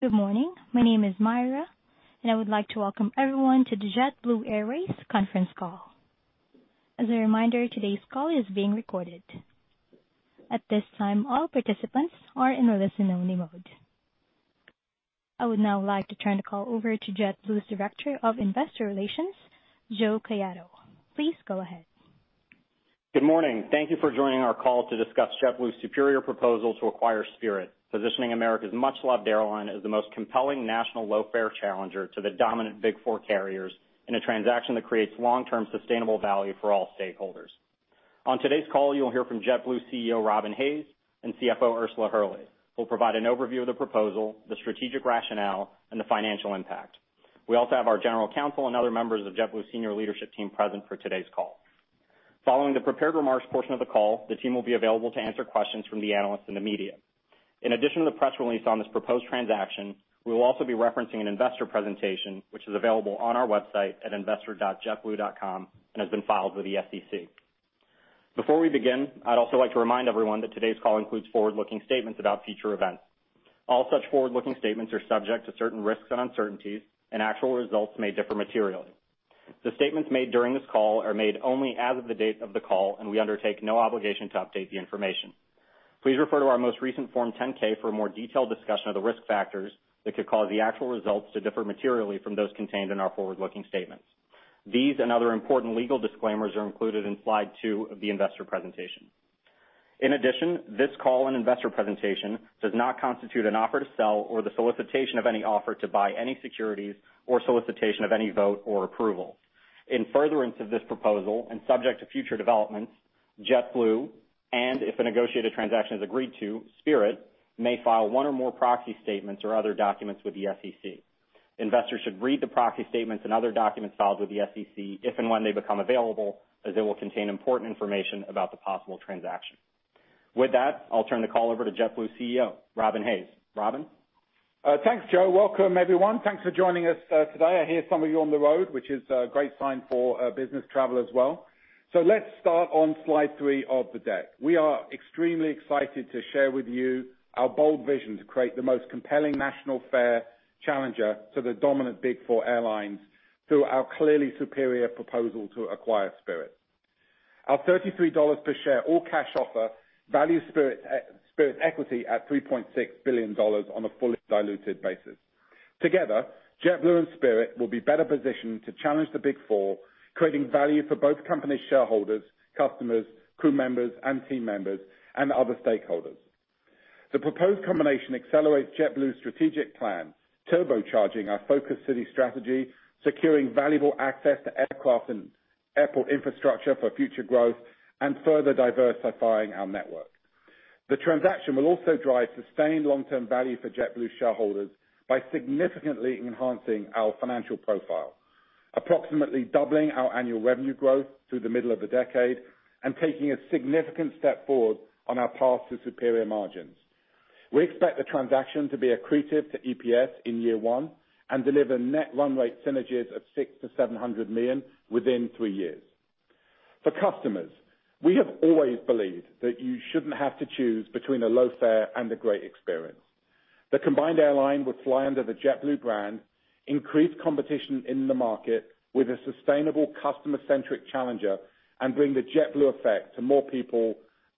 Good morning. My name is Myra, and I would like to welcome everyone to the JetBlue Airways conference call. As a reminder, today's call is being recorded. At this time, all participants are in listen only mode. I would now like to turn the call over to JetBlue's Director of Investor Relations, Joe Caiado. Please go ahead. Good morning. Thank you for joining our call to discuss JetBlue's superior proposal to acquire Spirit, positioning America's much loved airline as the most compelling national low-fare challenger to the dominant big four carriers in a transaction that creates long-term sustainable value for all stakeholders. On today's call, you'll hear from JetBlue CEO, Robin Hayes, and CFO, Ursula Hurley, who will provide an overview of the proposal, the strategic rationale, and the financial impact. We also have our general counsel and other members of JetBlue Senior Leadership team present for today's call. Following the prepared remarks portion of the call, the team will be available to answer questions from the Analysts in the media. In addition to the press release on this proposed transaction, we will also be referencing an investor presentation which is available on our website at investor.jetblue.com, and has been filed with the SEC. Before we begin, I'd also like to remind everyone that today's call includes forward-looking statements about future events. All such forward-looking statements are subject to certain risks and uncertainties, and actual results may differ materially. The statements made during this call are made only as of the date of the call, and we undertake no obligation to update the information. Please refer to our most recent Form 10-K for a more detailed discussion of the risk factors that could cause the actual results to differ materially from those contained in our forward-looking statements. These and other important legal disclaimers are included in slide two of the investor presentation. In addition, this call and investor presentation does not constitute an offer to sell or the solicitation of any offer to buy any securities or solicitation of any vote or approval. In furtherance of this proposal and subject to future developments, JetBlue, and if a negotiated transaction is agreed to, Spirit may file one or more proxy statements or other documents with the SEC. Investors should read the proxy statements and other documents filed with the SEC if and when they become available, as they will contain important information about the possible transaction. With that, I'll turn the call over to JetBlue CEO, Robin Hayes. Robin. Thanks, Joe. Welcome, everyone. Thanks for joining us, today. I hear some of you on the road, which is a great sign for business travel as well. Let's start on slide three of the deck. We are extremely excited to share with you our bold vision to create the most compelling national fare challenger to the dominant big four airlines through our clearly superior proposal to acquire Spirit. Our $33 per share all-cash offer values Spirit equity at $3.6 billion on a fully diluted basis. Together, JetBlue and Spirit will be better positioned to challenge the Big Four, creating value for both companies, shareholders, customers, crew members and team members and other stakeholders. The proposed combination accelerates JetBlue's strategic plan, turbocharging our Focus City strategy, securing valuable access to aircraft and airport infrastructure for future growth, and further diversifying our network. The transaction will also drive sustained long-term value for JetBlue shareholders by significantly enhancing our financial profile, approximately doubling our annual revenue growth through the middle of the decade, and taking a significant step forward on our path to superior margins. We expect the transaction to be accretive to EPS in year one and deliver net run rate synergies of $600 million-$700 million within three years. For customers, we have always believed that you shouldn't have to choose between a low fare and a great experience. The combined airline would fly under the JetBlue brand, increase competition in the market with a sustainable customer-centric challenger, and bring the JetBlue Effect to more people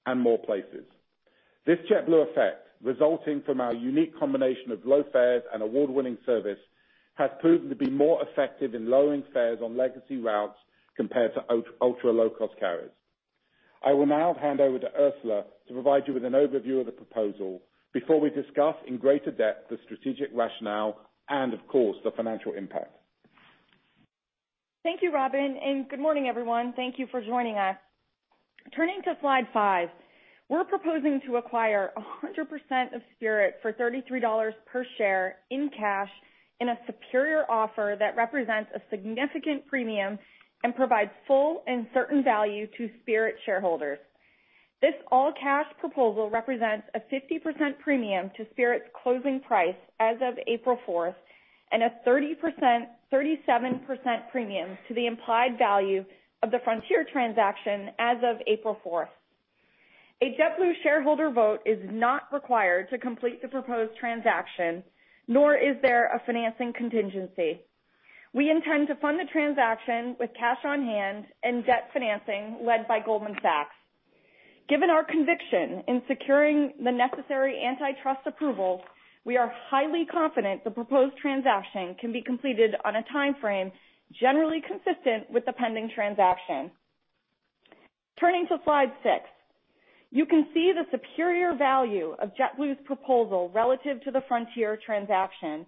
and more places. This JetBlue Effect, resulting from our unique combination of low fares and award-winning service, has proven to be more effective in lowering fares on legacy routes compared to ultra low cost carriers. I will now hand over to Ursula to provide you with an overview of the proposal before we discuss in greater depth the strategic rationale and of course, the financial impact. Thank you, Robin, and good morning, everyone. Thank you for joining us. Turning to slide five, we're proposing to acquire 100% of Spirit for $33 per share in cash in a superior offer that represents a significant premium and provides full and certain value to Spirit shareholders. This all-cash proposal represents a 50% premium to Spirit's closing price as of April 4, and a 37% premium to the implied value of the Frontier transaction as of April 4. A JetBlue shareholder vote is not required to complete the proposed transaction, nor is there a financing contingency. We intend to fund the transaction with cash on hand and debt financing led by Goldman Sachs. Given our conviction in securing the necessary antitrust approval, we are highly confident the proposed transaction can be completed on a timeframe generally consistent with the pending transaction. Turning to slide six, you can see the superior value of JetBlue's proposal relative to the Frontier transaction,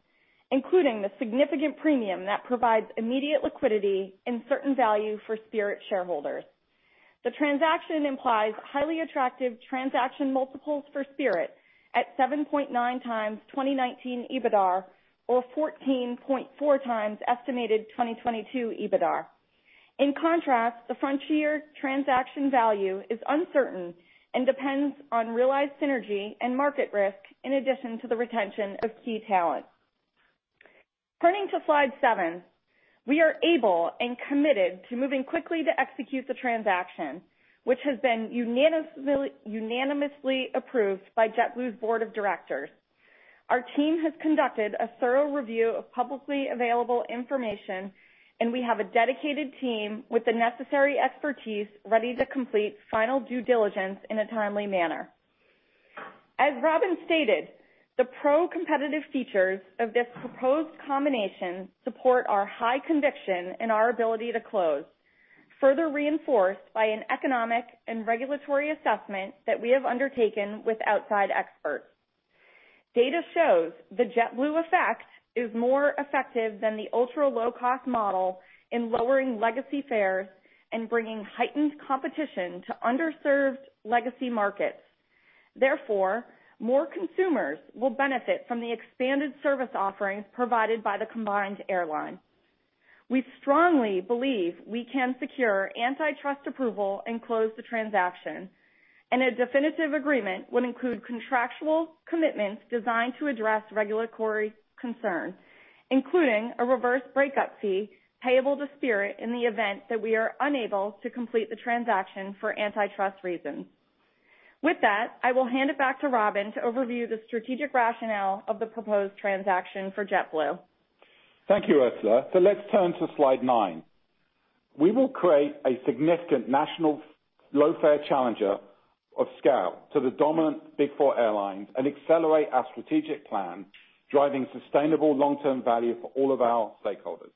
including the significant premium that provides immediate liquidity and certain value for Spirit shareholders. The transaction implies highly attractive transaction multiples for Spirit at 7.9x 2019 EBITDAR or 14.4x estimated 2022 EBITDAR. In contrast, the Frontier transaction value is uncertain and depends on realized synergy and market risk in addition to the retention of key talent. Turning to slide seven. We are able and committed to moving quickly to execute the transaction, which has been unanimously approved by JetBlue's Board of directors. Our team has conducted a thorough review of publicly available information, and we have a dedicated team with the necessary expertise ready to complete final due diligence in a timely manner. As Robin stated, the pro-competitive features of this proposed combination support our high conviction in our ability to close, further reinforced by an economic and regulatory assessment that we have undertaken with outside experts. Data shows the JetBlue Effect is more effective than the ultra-low-cost model in lowering legacy fares and bringing heightened competition to underserved legacy markets. Therefore, more consumers will benefit from the expanded service offerings provided by the combined airline. We strongly believe we can secure antitrust approval and close the transaction, and a definitive agreement would include contractual commitments designed to address regulatory concerns, including a reverse breakup fee payable to Spirit in the event that we are unable to complete the transaction for antitrust reasons. With that, I will hand it back to Robin to overview the strategic rationale of the proposed transaction for JetBlue. Thank you, Ursula. Let's turn to slide nine. We will create a significant national low-fare challenger of scale to the dominant big four airlines and accelerate our strategic plan, driving sustainable long-term value for all of our stakeholders.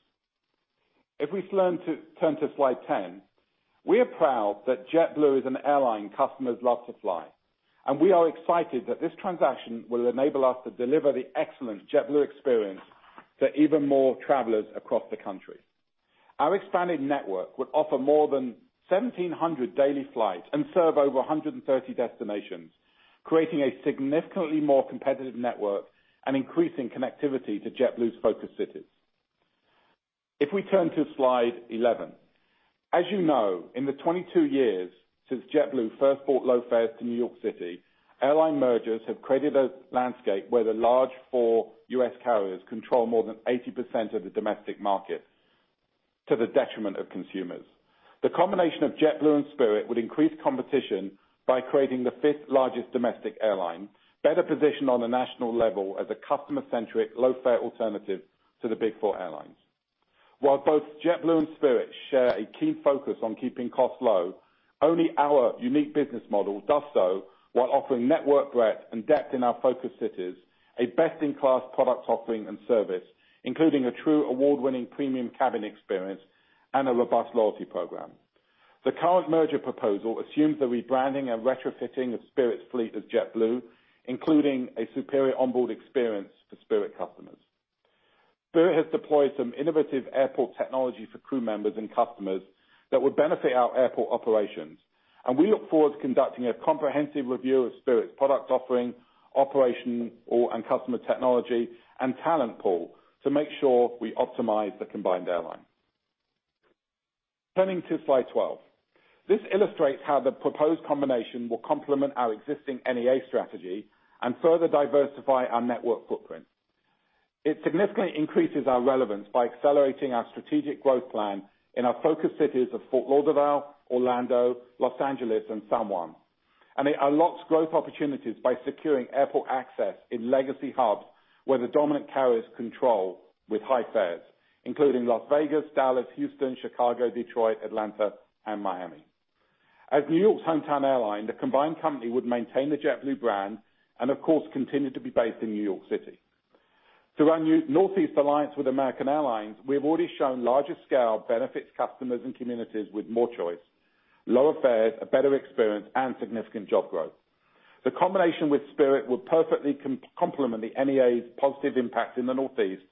Let's turn to slide ten. We are proud that JetBlue is an airline customers love to fly, and we are excited that this transaction will enable us to deliver the excellent JetBlue experience to even more travelers across the country. Our expanded network would offer more than 1,700 daily flights and serve over 130 destinations, creating a significantly more competitive network and increasing connectivity to JetBlue's focus cities. Let's turn to slide eleven. As you know, in the 22 years since JetBlue first brought low fares to New York City, airline mergers have created a landscape where the large four U.S. carriers control more than 80% of the domestic market, to the detriment of consumers. The combination of JetBlue and Spirit would increase competition by creating the fifth-largest domestic airline, better positioned on a national level as a customer-centric low-fare alternative to the big four airlines. While both JetBlue and Spirit share a key focus on keeping costs low, only our unique business model does so while offering network breadth and depth in our focus cities, a best-in-class product offering and service, including a true award-winning premium cabin experience and a robust loyalty program. The current merger proposal assumes the rebranding and retrofitting of Spirit's fleet as JetBlue, including a superior onboard experience for Spirit customers. Spirit has deployed some innovative airport technology for crew members and customers that would benefit our airport operations, and we look forward to conducting a comprehensive review of Spirit's product offering, operational and customer technology, and talent pool to make sure we optimize the combined airline. Turning to slide 12. This illustrates how the proposed combination will complement our existing NEA strategy and further diversify our network footprint. It significantly increases our relevance by accelerating our strategic growth plan in our focus cities of Fort Lauderdale, Orlando, Los Angeles, and San Juan. It unlocks growth opportunities by securing airport access in legacy hubs where the dominant carriers control with high fares, including Las Vegas, Dallas, Houston, Chicago, Detroit, Atlanta, and Miami. As New York's hometown airline, the combined company would maintain the JetBlue brand and of course, continue to be based in New York City. Through our new Northeast Alliance with American Airlines, we have already shown larger scale benefits to customers and communities with more choice, lower fares, a better experience, and significant job growth. The combination with Spirit will perfectly complement the NEA's positive impact in the Northeast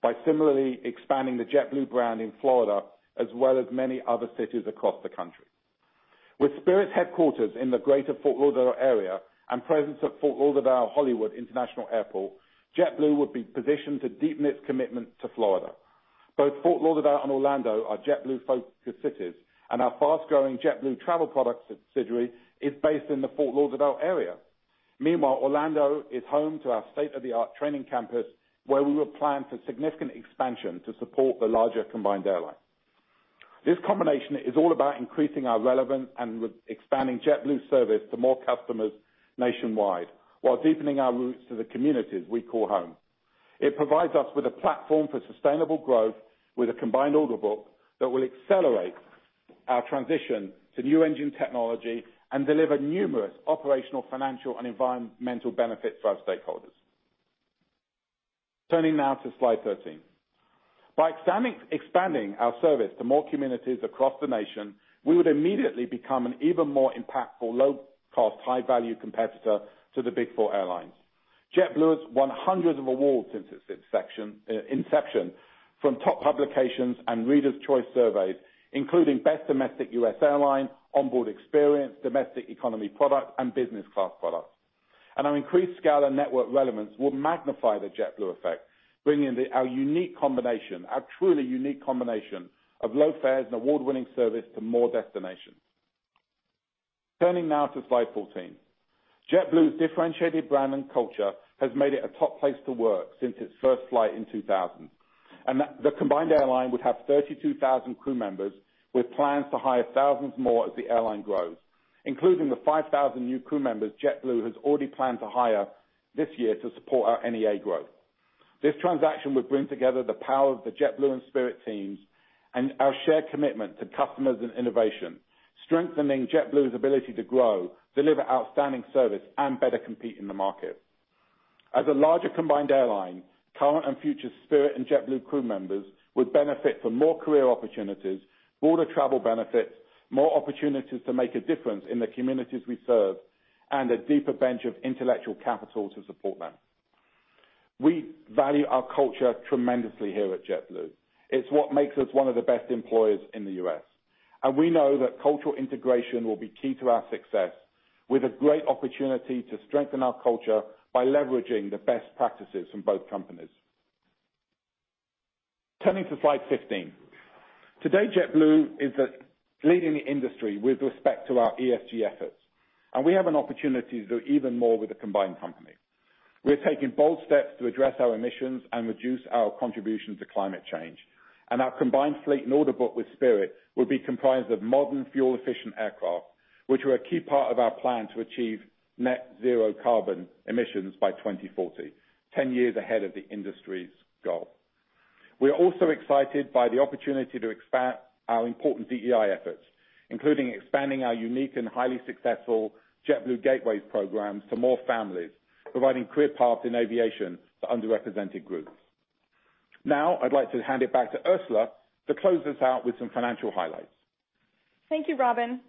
by similarly expanding the JetBlue brand in Florida, as well as many other cities across the country. With Spirit's headquarters in the greater Fort Lauderdale area and presence at Fort Lauderdale Hollywood International Airport, JetBlue would be positioned to deepen its commitment to Florida. Both Fort Lauderdale and Orlando are JetBlue-focused cities, and our fast-growing JetBlue Travel Products subsidiary is based in the Fort Lauderdale area. Meanwhile, Orlando is home to our state-of-the-art training campus, where we will plan for significant expansion to support the larger combined airline. This combination is all about increasing our relevance and expanding JetBlue service to more customers nationwide while deepening our roots to the communities we call home. It provides us with a platform for sustainable growth with a combined order book that will accelerate our transition to new engine technology and deliver numerous operational, financial, and environmental benefits for our stakeholders. Turning now to slide 13. By expanding our service to more communities across the nation, we would immediately become an even more impactful, low-cost, high-value competitor to the big four airlines. JetBlue has won hundreds of awards since its inception from top publications and readers' choice surveys, including Best Domestic U.S. Airline, Onboard Experience, Domestic Economy Product, and Business Class Product. Our increased scale and network relevance will magnify the JetBlue Effect, bringing our unique combination, our truly unique combination of low fares and award-winning service to more destinations. Turning now to slide 14. JetBlue's differentiated brand and culture has made it a top place to work since its first flight in 2000. The combined airline would have 32,000 crew members with plans to hire thousands more as the airline grows, including the 5,000 new crew members JetBlue has already planned to hire this year to support our NEA growth. This transaction would bring together the power of the JetBlue and Spirit teams and our shared commitment to customers and innovation, strengthening JetBlue's ability to grow, deliver outstanding service, and better compete in the market. As a larger combined airline, current and future Spirit and JetBlue crew members would benefit from more career opportunities, broader travel benefits, more opportunities to make a difference in the communities we serve, and a deeper bench of intellectual capital to support them. We value our culture tremendously here at JetBlue. It's what makes us one of the best employers in the U.S. We know that cultural integration will be key to our success, with a great opportunity to strengthen our culture by leveraging the best practices from both companies. Turning to slide 15. Today, JetBlue is leading the industry with respect to our ESG efforts, and we have an opportunity to do even more with the combined company. We're taking bold steps to address our emissions and reduce our contribution to climate change. Our combined fleet and order book with Spirit will be comprised of modern, fuel-efficient aircraft, which are a key part of our plan to achieve net zero carbon emissions by 2040, ten years ahead of the industry's goal. We are also excited by the opportunity to expand our important DEI efforts, including expanding our unique and highly successful JetBlue Gateway Select programs to more families, providing career paths in aviation to underrepresented groups. Now I'd like to hand it back to Ursula Hurley to close us out with some financial highlights. Thank you, Robin.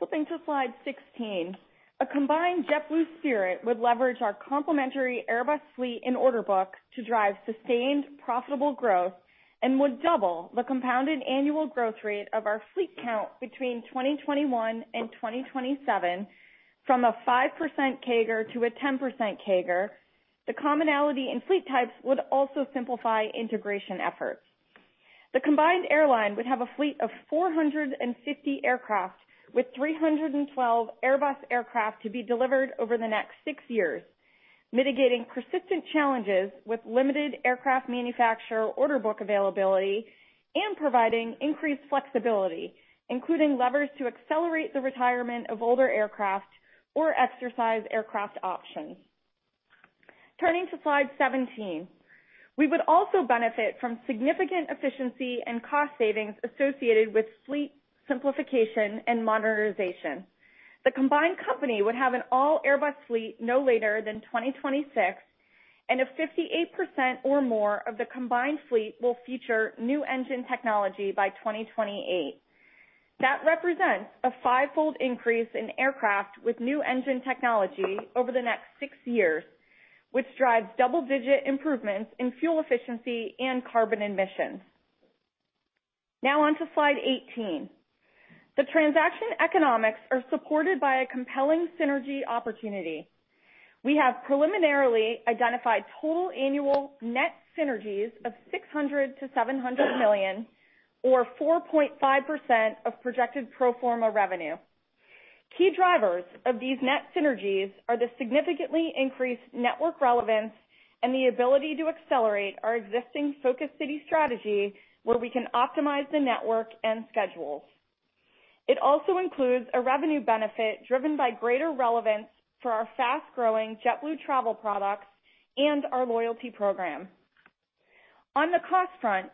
Flipping to slide 16. A combined JetBlue and Spirit would leverage our complementary Airbus fleet and order book to drive sustained profitable growth and would double the compounded annual growth rate of our fleet count between 2021 and 2027 from a 5% CAGR to a 10% CAGR. The commonality in fleet types would also simplify integration efforts. The combined airline would have a fleet of 450 aircraft with 312 Airbus aircraft to be delivered over the next six years, mitigating persistent challenges with limited aircraft manufacturer order book availability and providing increased flexibility, including levers to accelerate the retirement of older aircraft or exercise aircraft options. Turning to slide 17. We would also benefit from significant efficiency and cost savings associated with fleet simplification and modernization. The combined company would have an all-Airbus fleet no later than 2026, and 58% or more of the combined fleet will feature new engine technology by 2028. That represents a five-fold increase in aircraft with new engine technology over the next six years, which drives double-digit improvements in fuel efficiency and carbon emissions. Now on to slide 18. The transaction economics are supported by a compelling synergy opportunity. We have preliminarily identified total annual net synergies of $600 million-$700 million or 4.5% of projected pro forma revenue. Key drivers of these net synergies are the significantly increased network relevance and the ability to accelerate our existing focus city strategy, where we can optimize the network and schedules. It also includes a revenue benefit driven by greater relevance for our fast-growing JetBlue Travel Products and our loyalty program. On the cost front,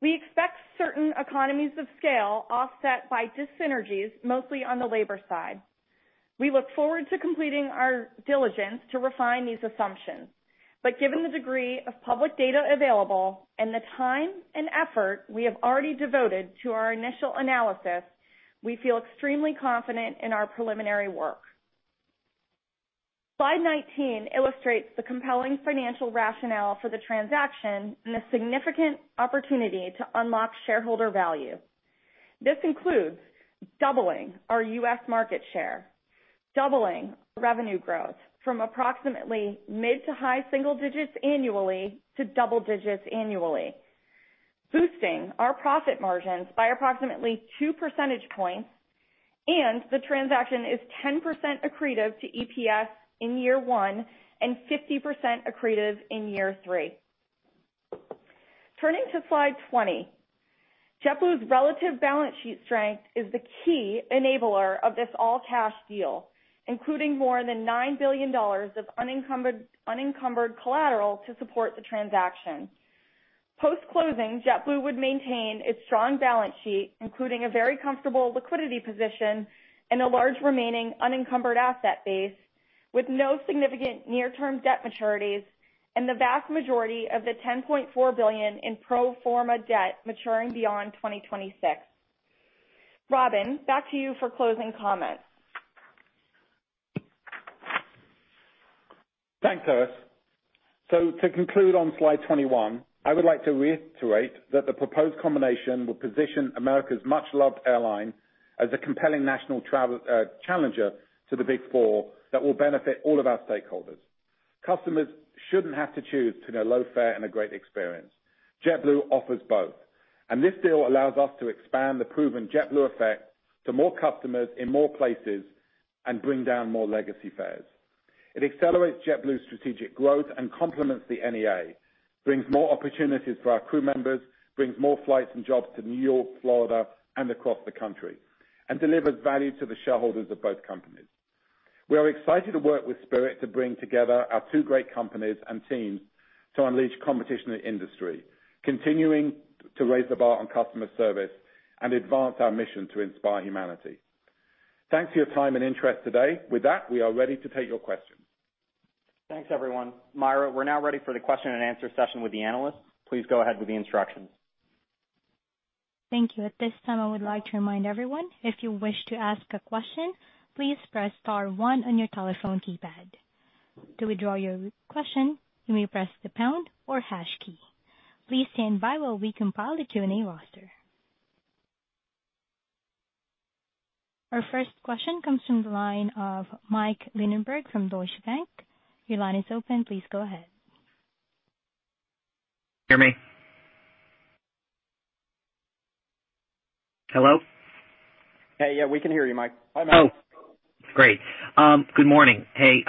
we expect certain economies of scale offset by dyssynergies, mostly on the labor side. We look forward to completing our diligence to refine these assumptions. Given the degree of public data available and the time and effort we have already devoted to our initial analysis, we feel extremely confident in our preliminary work. Slide 19 illustrates the compelling financial rationale for the transaction and the significant opportunity to unlock shareholder value. This includes doubling our U.S. market share, doubling revenue growth from approximately mid to high single digits annually to double digits annually, boosting our profit margins by approximately two percentage points, and the transaction is 10% accretive to EPS in year one and 50% accretive in year three. Turning to slide 20. JetBlue's relative balance sheet strength is the key enabler of this all-cash deal, including more than $9 billion of unencumbered collateral to support the transaction. Post-closing, JetBlue would maintain its strong balance sheet, including a very comfortable liquidity position and a large remaining unencumbered asset base with no significant near-term debt maturities and the vast majority of the $10.4 billion in pro forma debt maturing beyond 2026. Robin, back to you for closing comments. Thanks, Ursula. To conclude on slide 21, I would like to reiterate that the proposed combination will position America's much-loved airline as a compelling national travel challenger to the Big Four that will benefit all of our stakeholders. Customers shouldn't have to choose between a low fare and a great experience. JetBlue offers both, and this deal allows us to expand the proven JetBlue Effect to more customers in more places and bring down more legacy fares. It accelerates JetBlue's strategic growth and complements the NEA, brings more opportunities for our crew members, brings more flights and jobs to New York, Florida, and across the country, and delivers value to the shareholders of both companies. We are excited to work with Spirit to bring together our two great companies and teams to unleash competition in the industry, continuing to raise the bar on customer service and advance our mission to inspire humanity. Thanks for your time and interest today. With that, we are ready to take your questions. Thanks, everyone. Myra, we're now ready for the question-and-answer session with the analysts. Please go ahead with the instructions. Thank you. At this time, I would like to remind everyone if you wish to ask a question, please press star one on your telephone keypad. To withdraw your question, you may press the pound or hash key. Please stand by while we compile the Q&A roster. Our first question comes from the line of Mike Linenberg from Deutsche Bank. Your line is open. Please go ahead. Hear me? Hello? Hey. Yeah, we can hear you, Mike. Hi, Mike. Oh, great. Good morning. Hey,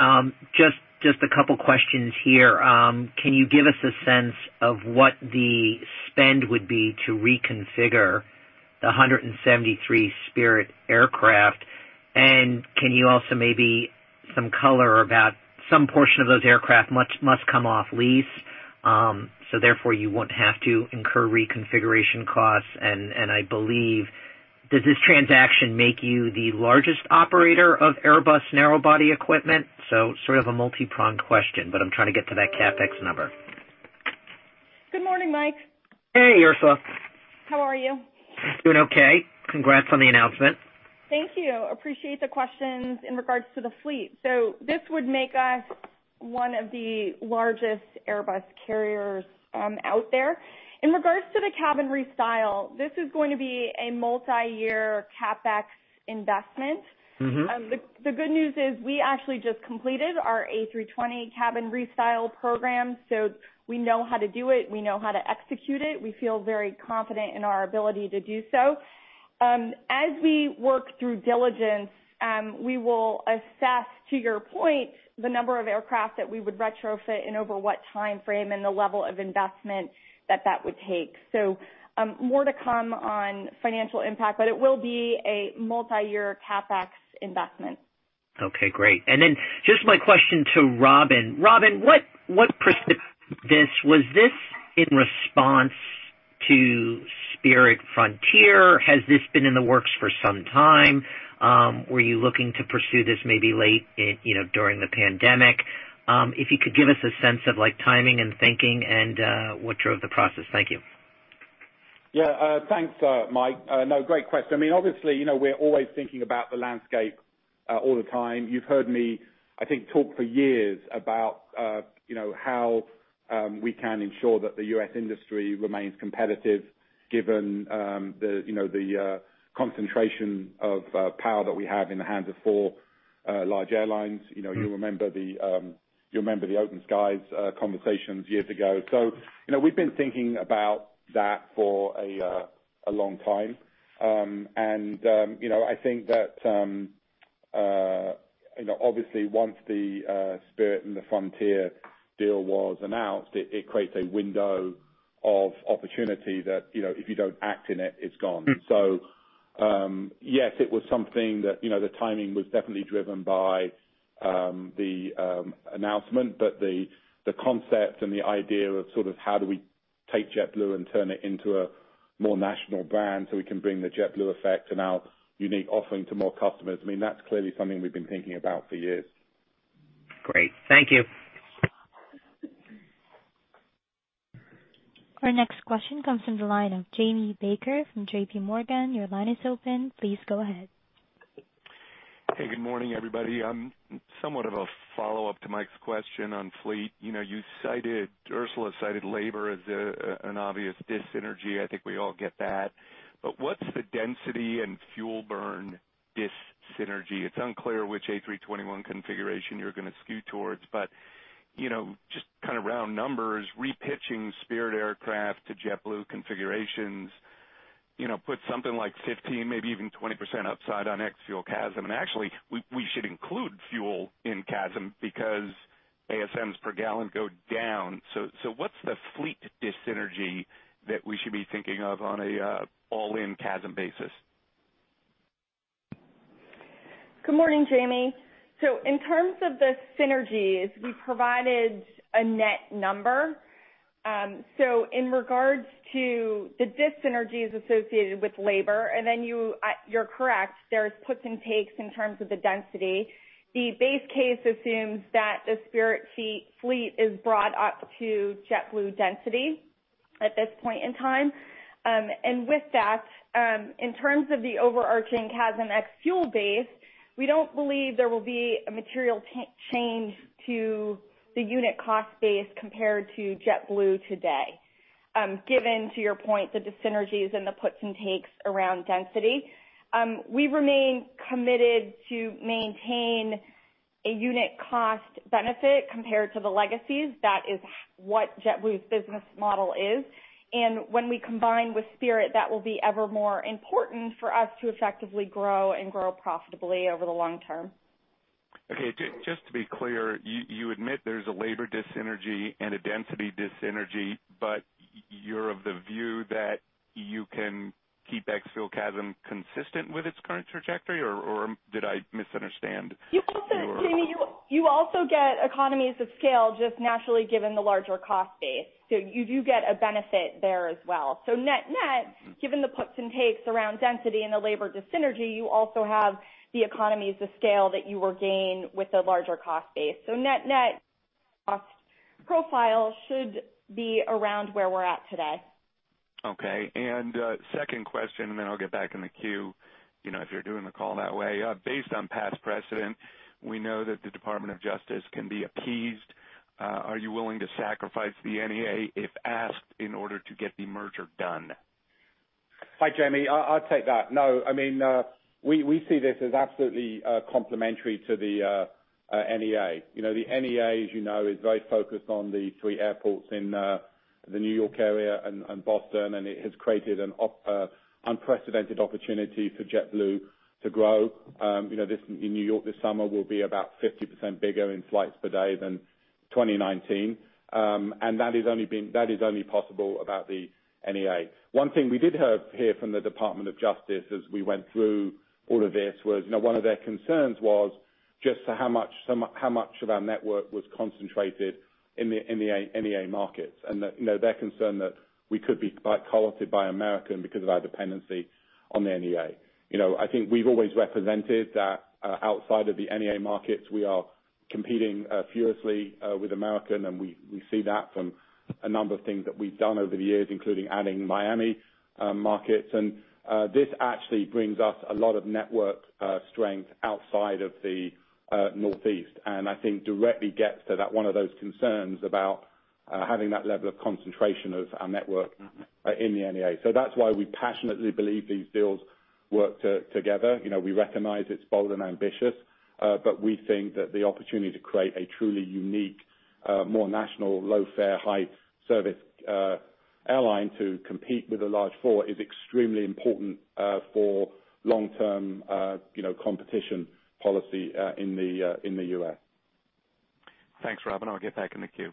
just a couple questions here. Can you give us a sense of what the spend would be to reconfigure the 173 Spirit aircraft? Can you also maybe some color about some portion of those aircraft that must come off lease, so therefore you won't have to incur reconfiguration costs. I believe, does this transaction make you the largest operator of Airbus narrow body equipment? So sort of a multipronged question, but I'm trying to get to that CapEx number. Good morning, Mike. Hey, Ursula. How are you? Doing okay. Congrats on the announcement. Thank you. I appreciate the questions in regards to the fleet. This would make us one of the largest Airbus carriers out there. In regards to the cabin restyle, this is going to be a multiyear CapEx investment. Mm-hmm. The good news is we actually just completed our A320 cabin restyle program, so we know how to do it. We know how to execute it. We feel very confident in our ability to do so. As we work through diligence, we will assess, to your point, the number of aircraft that we would retrofit and over what timeframe and the level of investment that would take. More to come on financial impact, but it will be a multiyear CapEx investment. Okay, great. Just my question to Robin. Robin, what precipitated this? Was this in response to Spirit-Frontier? Has this been in the works for some time? Were you looking to pursue this maybe late in, you know, during the pandemic? If you could give us a sense of, like, timing and thinking and what drove the process. Thank you. Yeah. Thanks, Mike. No, great question. I mean, obviously, you know, we're always thinking about the landscape all the time. You've heard me, I think, talk for years about, you know, how we can ensure that the U.S. industry remains competitive given the you know, the concentration of power that we have in the hands of four large airlines. You know, you remember the Open Skies conversations years ago. You know, we've been thinking about that for a long time. You know, I think that, you know, obviously once the Spirit and the Frontier deal was announced, it creates a window of opportunity that, you know, if you don't act in it's gone. Yes, it was something that, you know, the timing was definitely driven by the announcement, but the concept and the idea of sort of how do we take JetBlue and turn it into a more national brand so we can bring the JetBlue Effect and our unique offering to more customers, I mean, that's clearly something we've been thinking about for years. Great. Thank you. Our next question comes from the line of Jamie Baker from J.P. Morgan. Your line is open. Please go ahead. Hey, good morning, everybody. I'm somewhat of a follow-up to Mike's question on fleet. You know, Ursula cited labor as an obvious dis-synergy. I think we all get that. But what's the density and fuel burn dis-synergy? It's unclear which A321 configuration you're gonna skew towards, but you know, just kind of round numbers, re-pitching Spirit aircraft to JetBlue configurations, you know, put something like 15, maybe even 20% upside on ex-fuel CASM. And actually, we should include fuel in CASM because ASMs per gallon go down. So what's the fleet dis-synergy that we should be thinking of on a all-in CASM basis? Good morning, Jamie. In terms of the synergies, we provided a net number. In regards to the dissynergies associated with labor, you're correct, there's puts and takes in terms of the density. The base case assumes that the Spirit fleet is brought up to JetBlue density at this point in time. With that, in terms of the overarching CASM ex-fuel base, we don't believe there will be a material change to the unit cost base compared to JetBlue today. Given your point, the dissynergies and the puts and takes around density, we remain committed to maintain a unit cost benefit compared to the legacies. That is what JetBlue's business model is. When we combine with Spirit, that will be ever more important for us to effectively grow and grow profitably over the long term. Okay. Just to be clear, you admit there's a labor diseconomy and a density diseconomy, but you're of the view that you can keep ex-fuel CASM consistent with its current trajectory, or did I misunderstand your- Jamie, you also get economies of scale just naturally given the larger cost base. You do get a benefit there as well. Net-net, given the puts and takes around density and the labor dyssynergy, you also have the economies of scale that you will gain with the larger cost base. Net-net cost profile should be around where we're at today. Okay. Second question, and then I'll get back in the queue, you know, if you're doing the call that way. Based on past precedent, we know that the Department of Justice can be appeased. Are you willing to sacrifice the NEA if asked in order to get the merger done? Hi, Jamie, I'll take that. No, I mean, we see this as absolutely complementary to the NEA. You know, the NEA, as you know, is very focused on the three airports in the New York area and Boston, and it has created an unprecedented opportunity for JetBlue to grow. You know, this in New York this summer will be about 50% bigger in flights per day than 2019. That is only possible because of the NEA. One thing we did hear from the Department of Justice as we went through all of this was, you know, one of their concerns was just how much of our network was concentrated in the NEA markets. That, you know, their concern that we could be quite controlled by American because of our dependency on the NEA. You know, I think we've always represented that outside of the NEA markets, we are competing furiously with American, and we see that from a number of things that we've done over the years, including adding Miami markets. This actually brings us a lot of network strength outside of the Northeast, and I think directly gets to that one of those concerns about having that level of concentration of our network in the NEA. That's why we passionately believe these deals work together. You know, we recognize it's bold and ambitious, but we think that the opportunity to create a truly unique, more national, low-fare, high-service airline to compete with the large four is extremely important for long-term, you know, competition policy in the U.S. Thanks, Robin. I'll get back in the queue.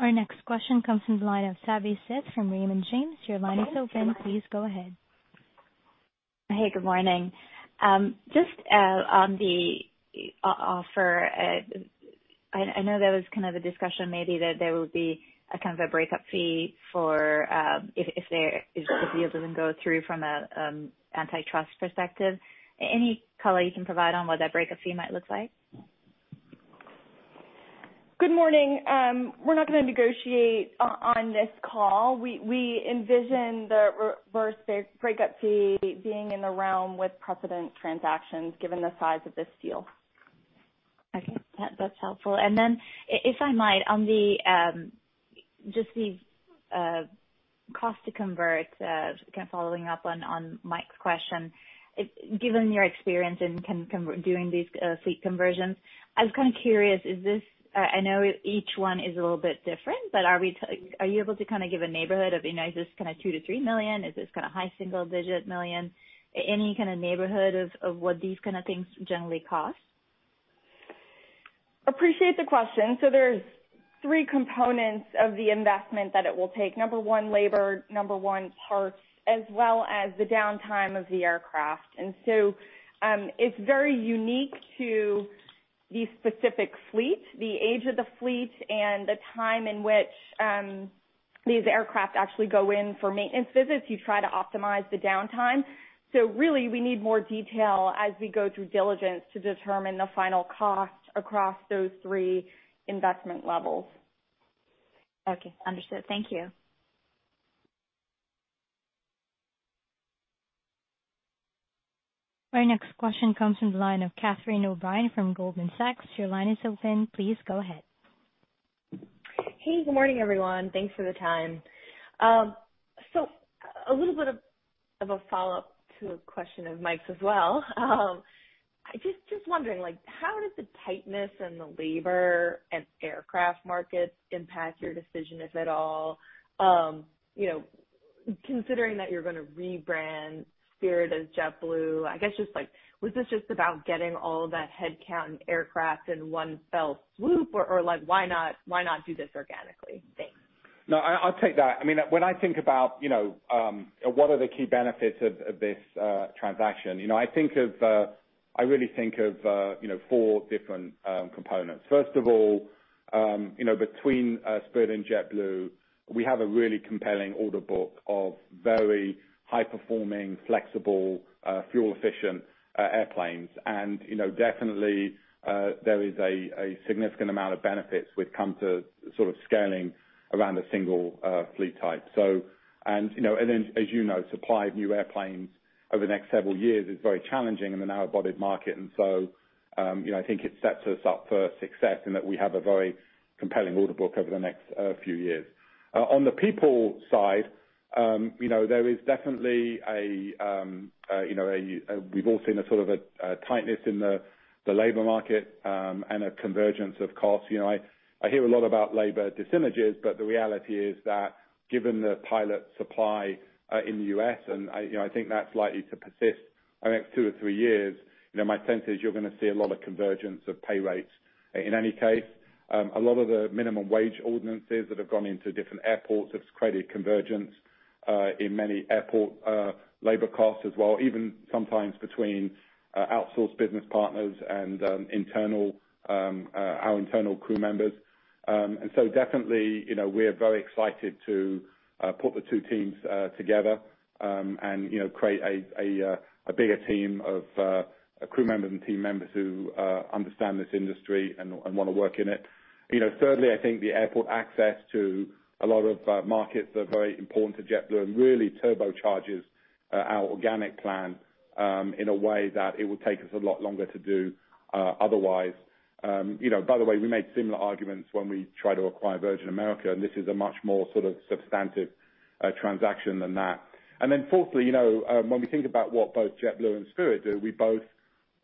Our next question comes from the line of Savanthi Syth from Raymond James. Your line is open. Please go ahead. Hey, good morning. Just on the offer, I know there was kind of a discussion maybe that there will be a kind of a breakup fee for if the deal doesn't go through from a antitrust perspective. Any color you can provide on what that breakup fee might look like? Good morning. We're not gonna negotiate on this call. We envision the reverse breakup fee being in the realm of precedent transactions given the size of this deal. Okay. That's helpful. If I might, on just the cost to convert, kind of following up on Mike's question. Given your experience in doing these fleet conversions, I was kind of curious. Is this, I know each one is a little bit different, but are you able to kind of give a neighborhood of, you know, is this kind of $2 million-$3 million? Is this kind of high single-digit million? Any kind of neighborhood of what these kind of things generally cost? Appreciate the question. There's three components of the investment that it will take. Number one, labor, parts, as well as the downtime of the aircraft. It's very unique to the specific fleet, the age of the fleet, and the time in which these aircraft actually go in for maintenance visits. You try to optimize the downtime. Really, we need more detail as we go through diligence to determine the final cost across those three investment levels. Okay. Understood. Thank you. Our next question comes from the line of Catherine O'Brien from Goldman Sachs. Your line is open. Please go ahead. Hey, good morning, everyone. Thanks for the time. So a little bit of a follow-up to a question of Mike's as well. I just wondering, like, how does the tightness in the labor and aircraft market impact your decision, if at all? You know, considering that you're gonna rebrand Spirit as JetBlue, I guess just like, was this just about getting all of that headcount and aircraft in one fell swoop, or like why not do this organically? Thanks. No, I'll take that. I mean, when I think about, you know, what are the key benefits of this transaction, you know, I really think of, you know, four different components. First of all, you know, between Spirit and JetBlue, we have a really compelling order book of very high-performing, flexible, fuel-efficient airplanes. You know, definitely, there is a significant amount of benefits that come to sort of scaling around a single fleet type. You know, and then as you know, supply of new airplanes over the next several years is very challenging in the narrow-bodied market. You know, I think it sets us up for success in that we have a very compelling order book over the next few years. On the people side, you know, there is definitely, you know, we've all seen a sort of tightness in the labor market and a convergence of costs. You know, I hear a lot about labor disintermediation, but the reality is that given the pilot supply in the U.S., and, you know, I think that's likely to persist the next two or three years. You know, my sense is you're gonna see a lot of convergence of pay rates. In any case, a lot of the minimum wage ordinances that have gone into different airports have created convergence in many airports, labor costs as well, even sometimes between outsourced business partners and our internal crew members. Definitely, you know, we're very excited to put the two teams together, and, you know, create a bigger team of crew members and team members who understand this industry and wanna work in it. You know, thirdly, I think the airport access to a lot of markets that are very important to JetBlue and really turbocharges our organic plan in a way that it would take us a lot longer to do otherwise. You know, by the way, we made similar arguments when we tried to acquire Virgin America, and this is a much more sort of substantive transaction than that. Fourthly, you know, when we think about what both JetBlue and Spirit do, we both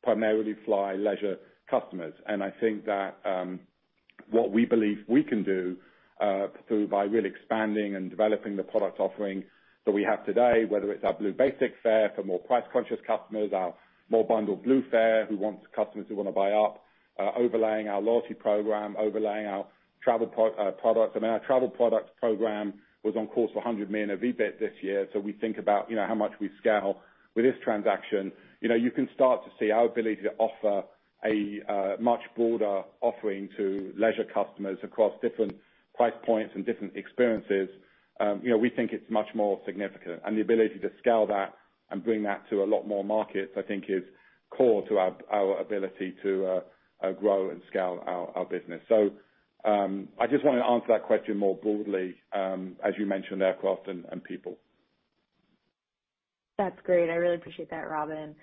primarily fly leisure customers. I think that what we believe we can do through by really expanding and developing the product offering that we have today, whether it's our Blue Basic fare for more price-conscious customers, our more bundled Blue fare for customers who wanna buy up, overlaying our loyalty program, overlaying our travel products. I mean, our travel products program was on course for $100 million of EBIT this year. We think about how much we scale with this transaction. You know, you can start to see our ability to offer a much broader offering to leisure customers across different price points and different experiences. You know, we think it's much more significant, and the ability to scale that and bring that to a lot more markets, I think is core to our ability to grow and scale our business. I just wanted to answer that question more broadly, as you mentioned, aircraft and people. That's great. I really appreciate that, Robin.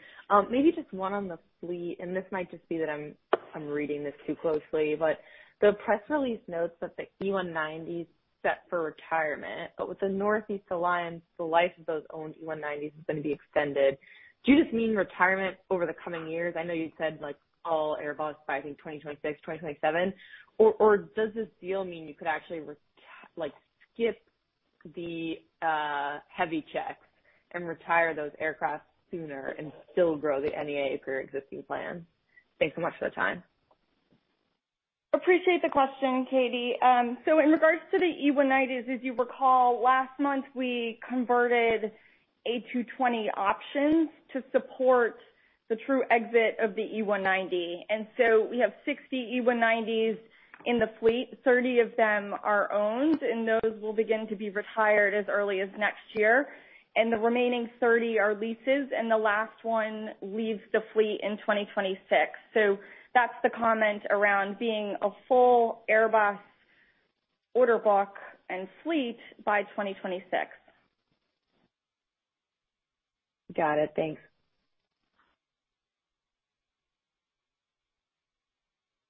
Maybe just one on the fleet, and this might just be that I'm reading this too closely, but the press release notes that the E190s set for retirement, but with the Northeast Alliance, the life of those owned E190s is gonna be extended. Do you just mean retirement over the coming years? I know you said like all Airbus by, I think, 2026, 2027. Or does this deal mean you could actually retire like skip the heavy checks and retire those aircraft sooner and still grow the NEA per your existing plan? Thanks so much for the time. Appreciate the question, Katie. In regards to the E190s, as you recall, last month we converted A220 options to support the true exit of the E190. We have 60 E190s in the fleet. 30 of them are owned, and those will begin to be retired as early as next year. The remaining 30 are leases, and the last one leaves the fleet in 2026. That's the comment around being a full Airbus order book and fleet by 2026. Got it. Thanks.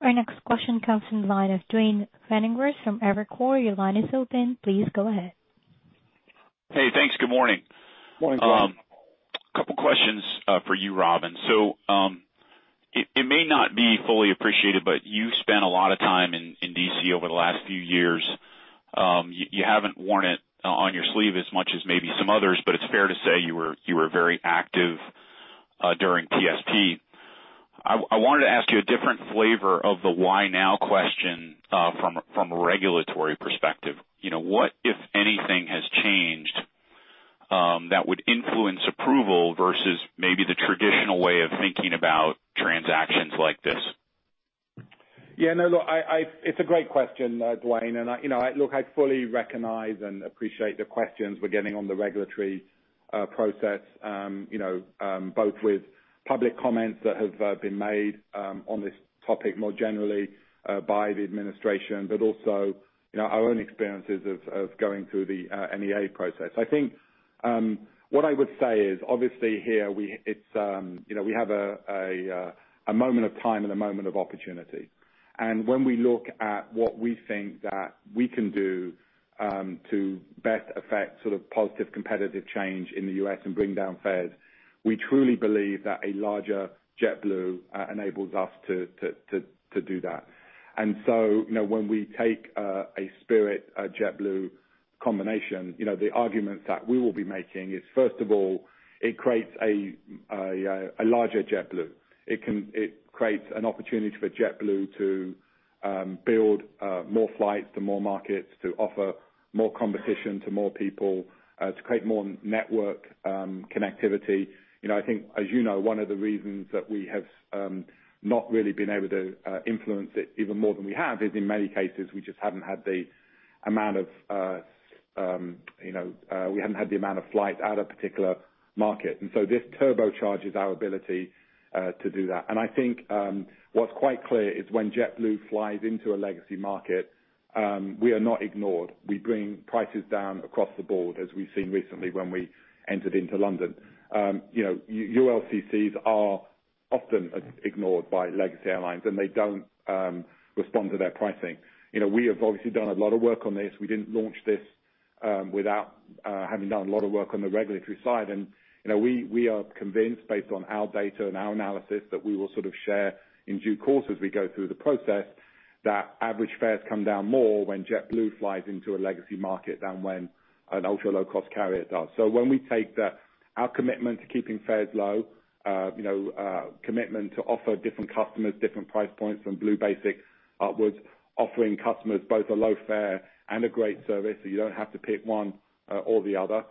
Our next question comes from the line of Duane Pfennigwerth from Evercore. Your line is open. Please go ahead. Hey, thanks. Good morning. Morning, Duane. A couple questions for you, Robin. It may not be fully appreciated, but you've spent a lot of time in D.C. over the last few years. You haven't worn it on your sleeve as much as maybe some others, but it's fair to say you were very active during PSP. I wanted to ask you a different flavor of the why now question from a regulatory perspective. You know, what, if anything, has changed that would influence approval versus maybe the traditional way of thinking about transactions like this? Yeah, no, look, it's a great question, Duane, and I, you know, look, I fully recognize and appreciate the questions we're getting on the regulatory process, you know, both with public comments that have been made on this topic more generally by the administration, but also, you know, our own experiences of going through the NEA process. I think what I would say is, obviously here it's you know, we have a moment of time and a moment of opportunity. When we look at what we think that we can do to best affect sort of positive competitive change in the U.S. and bring down fares, we truly believe that a larger JetBlue enables us to do that. You know, when we take a Spirit, a JetBlue combination, you know, the arguments that we will be making is, first of all, it creates a larger JetBlue. It creates an opportunity for JetBlue to build more flights to more markets, to offer more competition to more people, to create more network connectivity. You know, I think, as you know, one of the reasons that we have not really been able to influence it even more than we have is in many cases, we just haven't had the amount of flights at a particular market. This turbocharges our ability to do that. I think, what's quite clear is when JetBlue flies into a legacy market, we are not ignored. We bring prices down across the board, as we've seen recently when we entered into London. You know, ULCCs are often ignored by legacy airlines, and they don't respond to their pricing. You know, we have obviously done a lot of work on this. We didn't launch this without having done a lot of work on the regulatory side. You know, we are convinced based on our data and our analysis that we will sort of share in due course as we go through the process, that average fares come down more when JetBlue flies into a legacy market than when an ultra-low-cost carrier does. When we take our commitment to keeping fares low, you know, commitment to offer different customers different price points from Blue Basic upwards, offering customers both a low fare and a great service, so you don't have to pick one or the other.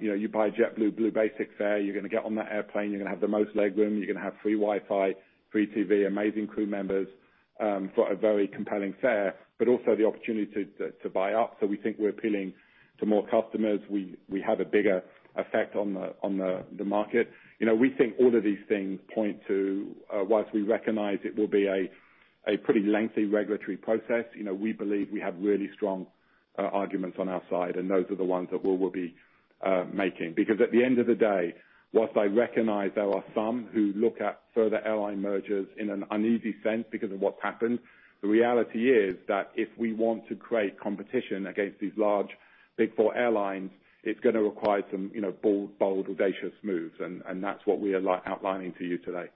You know, you buy a JetBlue Blue Basic fare, you're gonna get on that airplane, you're gonna have the most legroom, you're gonna have free Wi-Fi, free TV, amazing crew members, for a very compelling fare, but also the opportunity to buy up. We think we're appealing to more customers. We have a bigger effect on the market. You know, we think all of these things point to, while we recognize it will be a pretty lengthy regulatory process, you know, we believe we have really strong arguments on our side, and those are the ones that we will be making. Because at the end of the day, while I recognize there are some who look at further airline mergers in an uneasy sense because of what's happened, the reality is that if we want to create competition against these large Big Four airlines, it's gonna require some, you know, bold audacious moves, and that's what we are outlining to you today.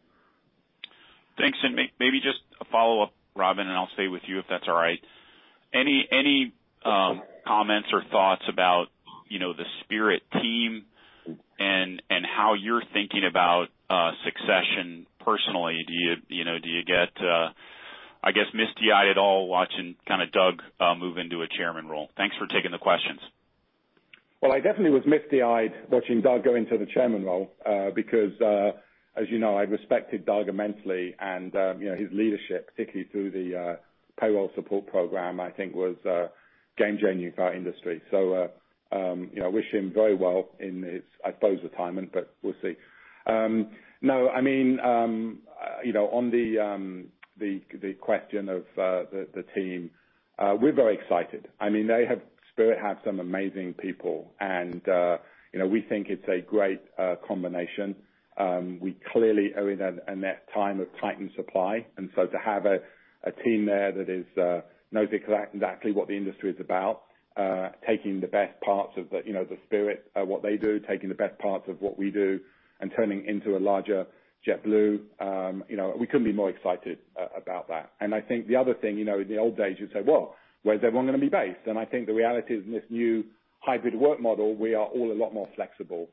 Thanks. Maybe just a follow-up, Robin, and I'll stay with you, if that's all right. Any comments or thoughts about, you know, the Spirit team and how you're thinking about succession personally? Do you know, do you get, I guess, misty-eyed at all watching kinda Doug move into a chairman role? Thanks for taking the questions. Well, I definitely was misty-eyed watching Doug go into the chairman role, because, as you know, I respected Doug immensely, and, you know, his leadership, particularly through the Payroll Support Program, I think was game-changing for our industry. You know, I wish him very well in his, I suppose, retirement, but we'll see. No, I mean, you know, on the question of the team, we're very excited. I mean, they have, Spirit have some amazing people, and, you know, we think it's a great combination. We clearly are in a time of tightened supply, and so to have a team there that knows exactly what the industry is about, taking the best parts of, you know, the Spirit, what they do, taking the best parts of what we do, and turning into a larger JetBlue, you know, we couldn't be more excited about that. I think the other thing, you know, in the old days, you'd say, "Well, where's everyone gonna be based?" I think the reality is, in this new hybrid work model, we are all a lot more flexible.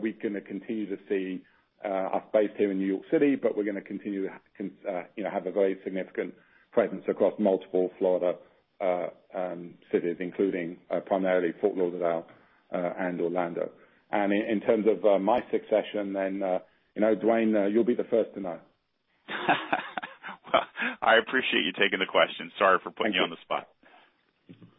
We're gonna continue to see U.S.-based here in New York City, but we're gonna continue to, you know, have a very significant presence across multiple Florida cities, including primarily Fort Lauderdale and Orlando. In terms of my succession, then, you know, Duane, you'll be the first to know. Well, I appreciate you taking the question. Sorry for putting you on the spot. Thank you.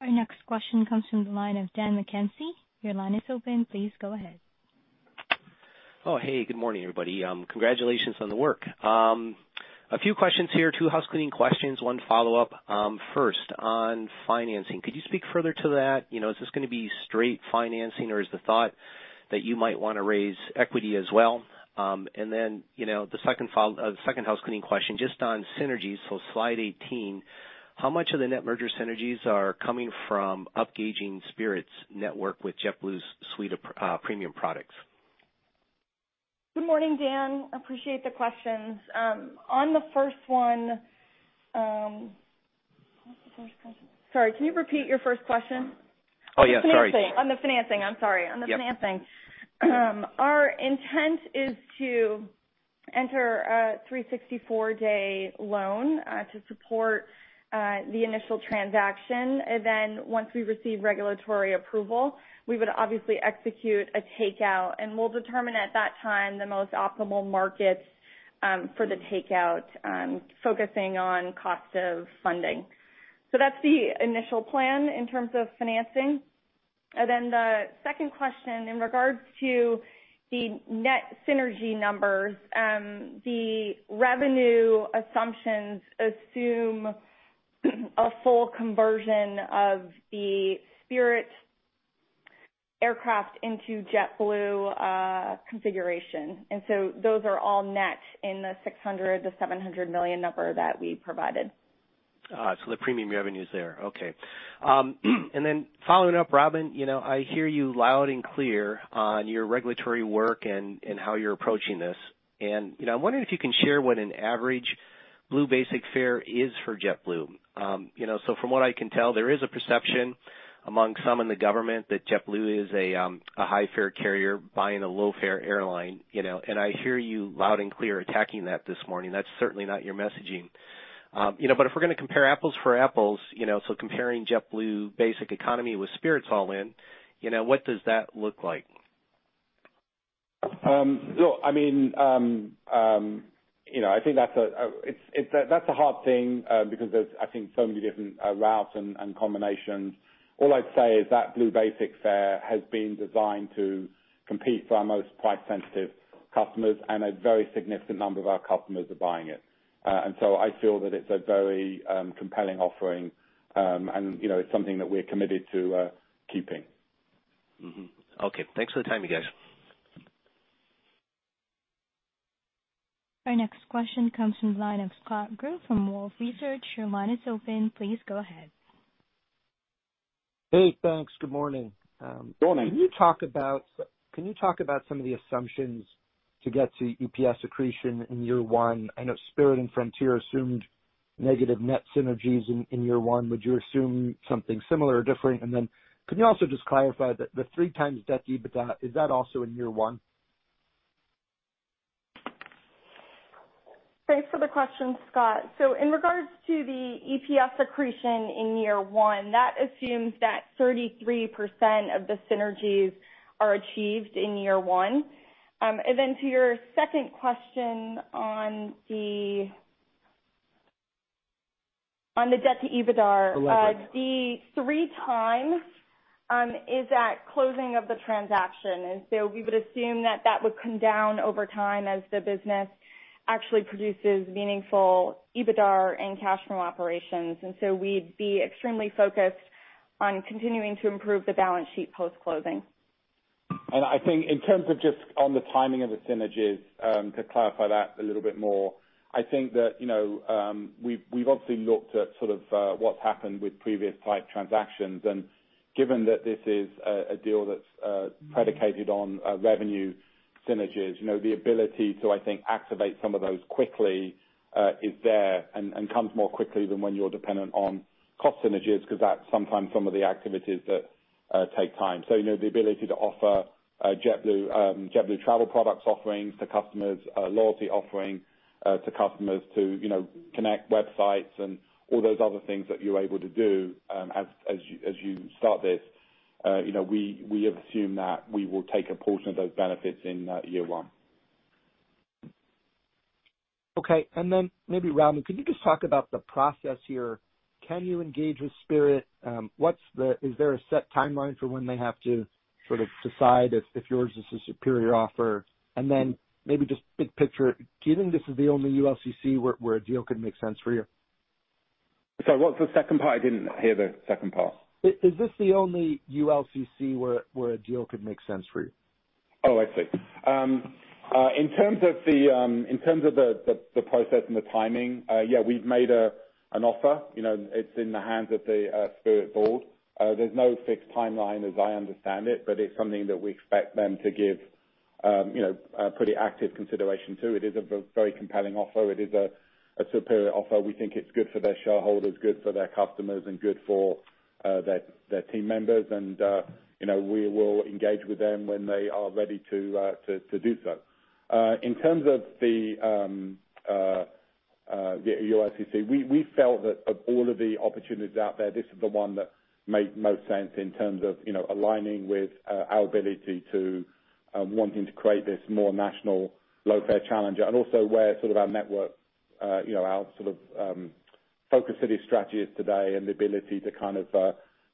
Our next question comes from the line of Dan McKenzie. Your line is open. Please go ahead. Oh, hey, good morning, everybody. Congratulations on the work. A few questions here. Two housecleaning questions, one follow-up. First, on financing, could you speak further to that? You know, is this gonna be straight financing, or is the thought that you might wanna raise equity as well? You know, the second housecleaning question, just on synergies, so slide 18, how much of the net merger synergies are coming from upgauging Spirit's network with JetBlue's suite of premium products? Good morning, Dan. Appreciate the questions. On the first one, what was the first question? Sorry, can you repeat your first question? Oh, yeah, sorry. On the financing. I'm sorry. Yep. On the financing. Our intent is to enter a 364-day loan to support the initial transaction. Once we receive regulatory approval, we would obviously execute a takeout, and we'll determine at that time the most optimal markets for the takeout, focusing on cost of funding. That's the initial plan in terms of financing. The second question, in regards to the net synergy numbers, the revenue assumptions assume a full conversion of the Spirit aircraft into JetBlue configuration. Those are all net in the $600 million-$700 million number that we provided. The premium revenue is there. Okay. Then following up, Robin, you know, I hear you loud and clear on your regulatory work and how you're approaching this. You know, I'm wondering if you can share what an average Blue Basic fare is for JetBlue. You know, from what I can tell, there is a perception among some in the government that JetBlue is a high fare carrier buying a low fare airline, you know, and I hear you loud and clear attacking that this morning. That's certainly not your messaging. You know, if we're gonna compare apples for apples, you know, comparing JetBlue basic economy with Spirit's all-in, you know, what does that look like? Look, I mean, you know, I think that's a hard thing because there's, I think, so many different routes and combinations. All I'd say is that Blue Basic fare has been designed to compete for our most price-sensitive customers, and a very significant number of our customers are buying it. I feel that it's a very compelling offering, and, you know, it's something that we're committed to keeping. Mm-hmm. Okay. Thanks for the time, you guys. Our next question comes from the line of Scott Group from Wolfe Research. Your line is open. Please go ahead. Hey, thanks. Good morning. Good morning. Can you talk about some of the assumptions to get to EPS accretion in year one? I know Spirit and Frontier assumed negative net synergies in year one. Would you assume something similar or different? Could you also just clarify the 3x debt EBITDA, is that also in year one? Thanks for the question, Scott. In regards to the EPS accretion in year one, that assumes that 33% of the synergies are achieved in year one. To your second question on the debt to EBITDAR. Oh, right. The three times is at closing of the transaction. We would assume that that would come down over time as the business actually produces meaningful EBITDAR and cash from operations. We'd be extremely focused on continuing to improve the balance sheet post-closing. I think in terms of just on the timing of the synergies, to clarify that a little bit more, I think that, you know, we've obviously looked at sort of what's happened with previous type transactions, and given that this is a deal that's predicated on revenue synergies, you know, the ability to, I think, activate some of those quickly is there and comes more quickly than when you're dependent on cost synergies because that's sometimes some of the activities that take time. You know, the ability to offer JetBlue Travel Products offerings to customers, loyalty offering to customers to, you know, connect websites and all those other things that you're able to do, as you start this, you know, we assume that we will take a portion of those benefits in year one. Okay. Maybe, Robin, can you just talk about the process here? Can you engage with Spirit? Is there a set timeline for when they have to sort of decide if yours is a superior offer? Maybe just big picture, given this is the only ULCC where a deal could make sense for you. Sorry, what's the second part? I didn't hear the second part. Is this the only ULCC where a deal could make sense for you? Oh, I see. In terms of the process and the timing, yeah, we've made an offer. You know, it's in the hands of the Spirit board. There's no fixed timeline as I understand it, but it's something that we expect them to give you know, a pretty active consideration to. It is a very compelling offer. It is a superior offer. We think it's good for their shareholders, good for their customers and good for their team members. You know, we will engage with them when they are ready to do so. In terms of the ULCC, we felt that of all of the opportunities out there, this is the one that made most sense in terms of, you know, aligning with our ability to wanting to create this more national low-fare challenger. Also where sort of our network, you know, our sort of focus city strategy is today and the ability to kind of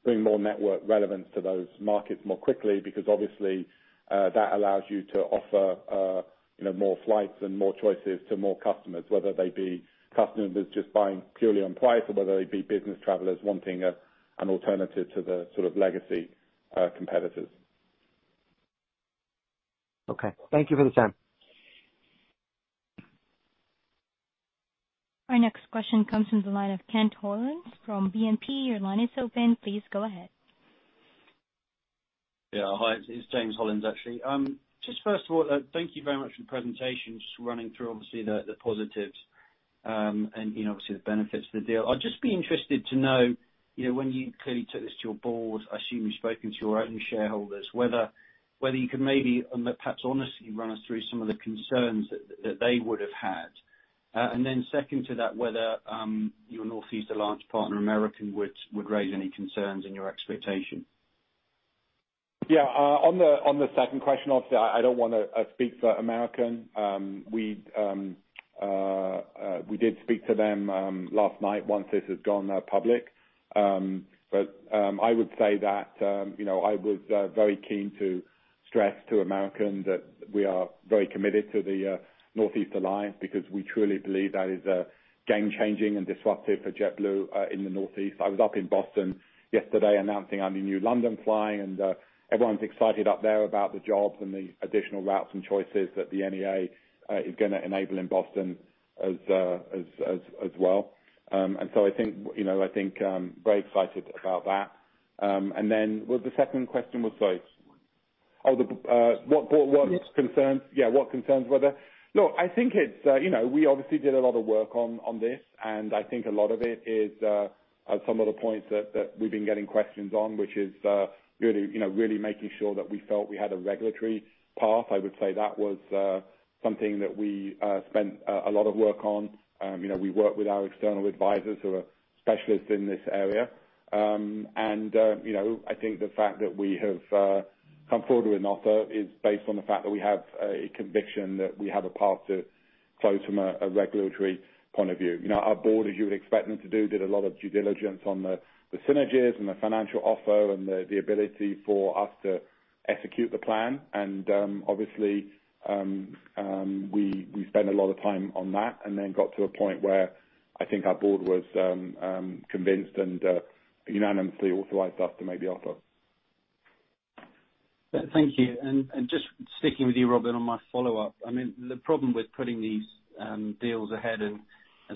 bring more network relevance to those markets more quickly because obviously that allows you to offer, you know, more flights and more choices to more customers, whether they be customers just buying purely on price or whether they be business travelers wanting an alternative to the sort of legacy competitors. Okay. Thank you for the time. Our next question comes from the line of James Hollins from BNP. Your line is open. Please go ahead. Yeah. Hi. It's James Hollins, actually. Just first of all, thank you very much for the presentation. Just running through obviously the positives, and you know, obviously the benefits of the deal. I'd just be interested to know, you know, when you clearly took this to your board, I assume you've spoken to your own shareholders, whether you could maybe and perhaps honestly run us through some of the concerns that they would have had. Second to that, whether your Northeast Alliance partner, American, would raise any concerns in your expectation. Yeah. On the second question, obviously, I don't wanna speak for American. We did speak to them last night once this had gone public. I would say that you know, I was very keen to stress to American that we are very committed to the Northeast Alliance because we truly believe that is a game-changing and disruptive for JetBlue in the Northeast. I was up in Boston yesterday announcing our new London flying and everyone's excited up there about the jobs and the additional routes and choices that the NEA is gonna enable in Boston as well. I think you know very excited about that. Then was the second question was like- Concerns. Look, I think it's, you know, we obviously did a lot of work on this, and I think a lot of it is some of the points that we've been getting questions on, which is really, you know, really making sure that we felt we had a regulatory path. I would say that was something that we spent a lot of work on. You know, we worked with our external advisors who are specialists in this area. You know, I think the fact that we have come forward with an offer is based on the fact that we have a conviction that we have a path to close from a regulatory point of view. You know, our board, as you would expect them to do, did a lot of due diligence on the synergies and the financial offer and the ability for us to execute the plan. Obviously, we spent a lot of time on that and then got to a point where I think our board was convinced and unanimously authorized us to make the offer. Thank you. Just sticking with you, Robin, on my follow-up. I mean, the problem with putting these deals ahead and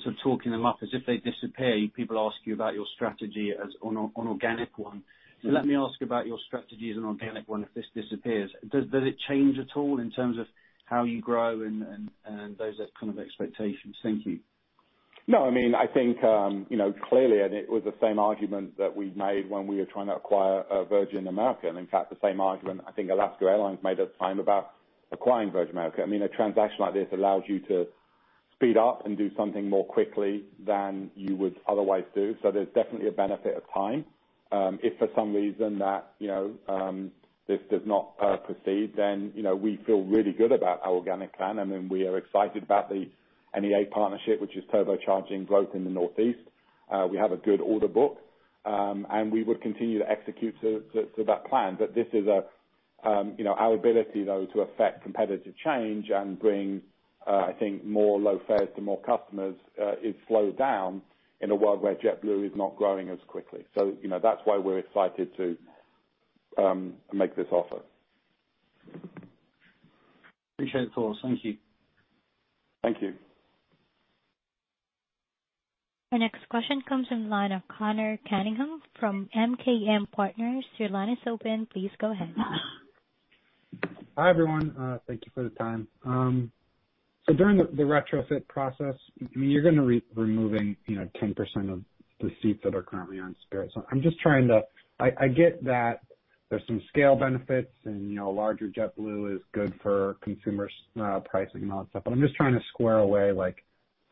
sort of talking them up is if they disappear, people ask you about your strategy as an organic one. Let me ask about your strategy as an organic one if this disappears. Does it change at all in terms of how you grow and those kind of expectations? Thank you. No, I mean, I think, you know, clearly, and it was the same argument that we made when we were trying to acquire Virgin America, and in fact the same argument I think Alaska Airlines made at the time about acquiring Virgin America. I mean, a transaction like this allows you to speed up and do something more quickly than you would otherwise do. There's definitely a benefit of time. If for some reason, you know, this does not proceed, then, you know, we feel really good about our organic plan, and then we are excited about the NEA partnership, which is turbocharging growth in the Northeast. We have a good order book, and we would continue to execute to that plan. This is a, you know, our ability though to affect competitive change and bring, I think more low fares to more customers, is slowed down in a world where JetBlue is not growing as quickly. You know, that's why we're excited to make this offer. Appreciate the thoughts. Thank you. Thank you. Our next question comes from the line of Conor Cunningham from MKM Partners. Your line is open. Please go ahead. Hi, everyone. Thank you for the time. During the retrofit process, I mean, you're gonna removing, you know, 10% of the seats that are currently on Spirit. I get that there's some scale benefits and, you know, larger JetBlue is good for consumer pricing and all that stuff. I'm just trying to square away like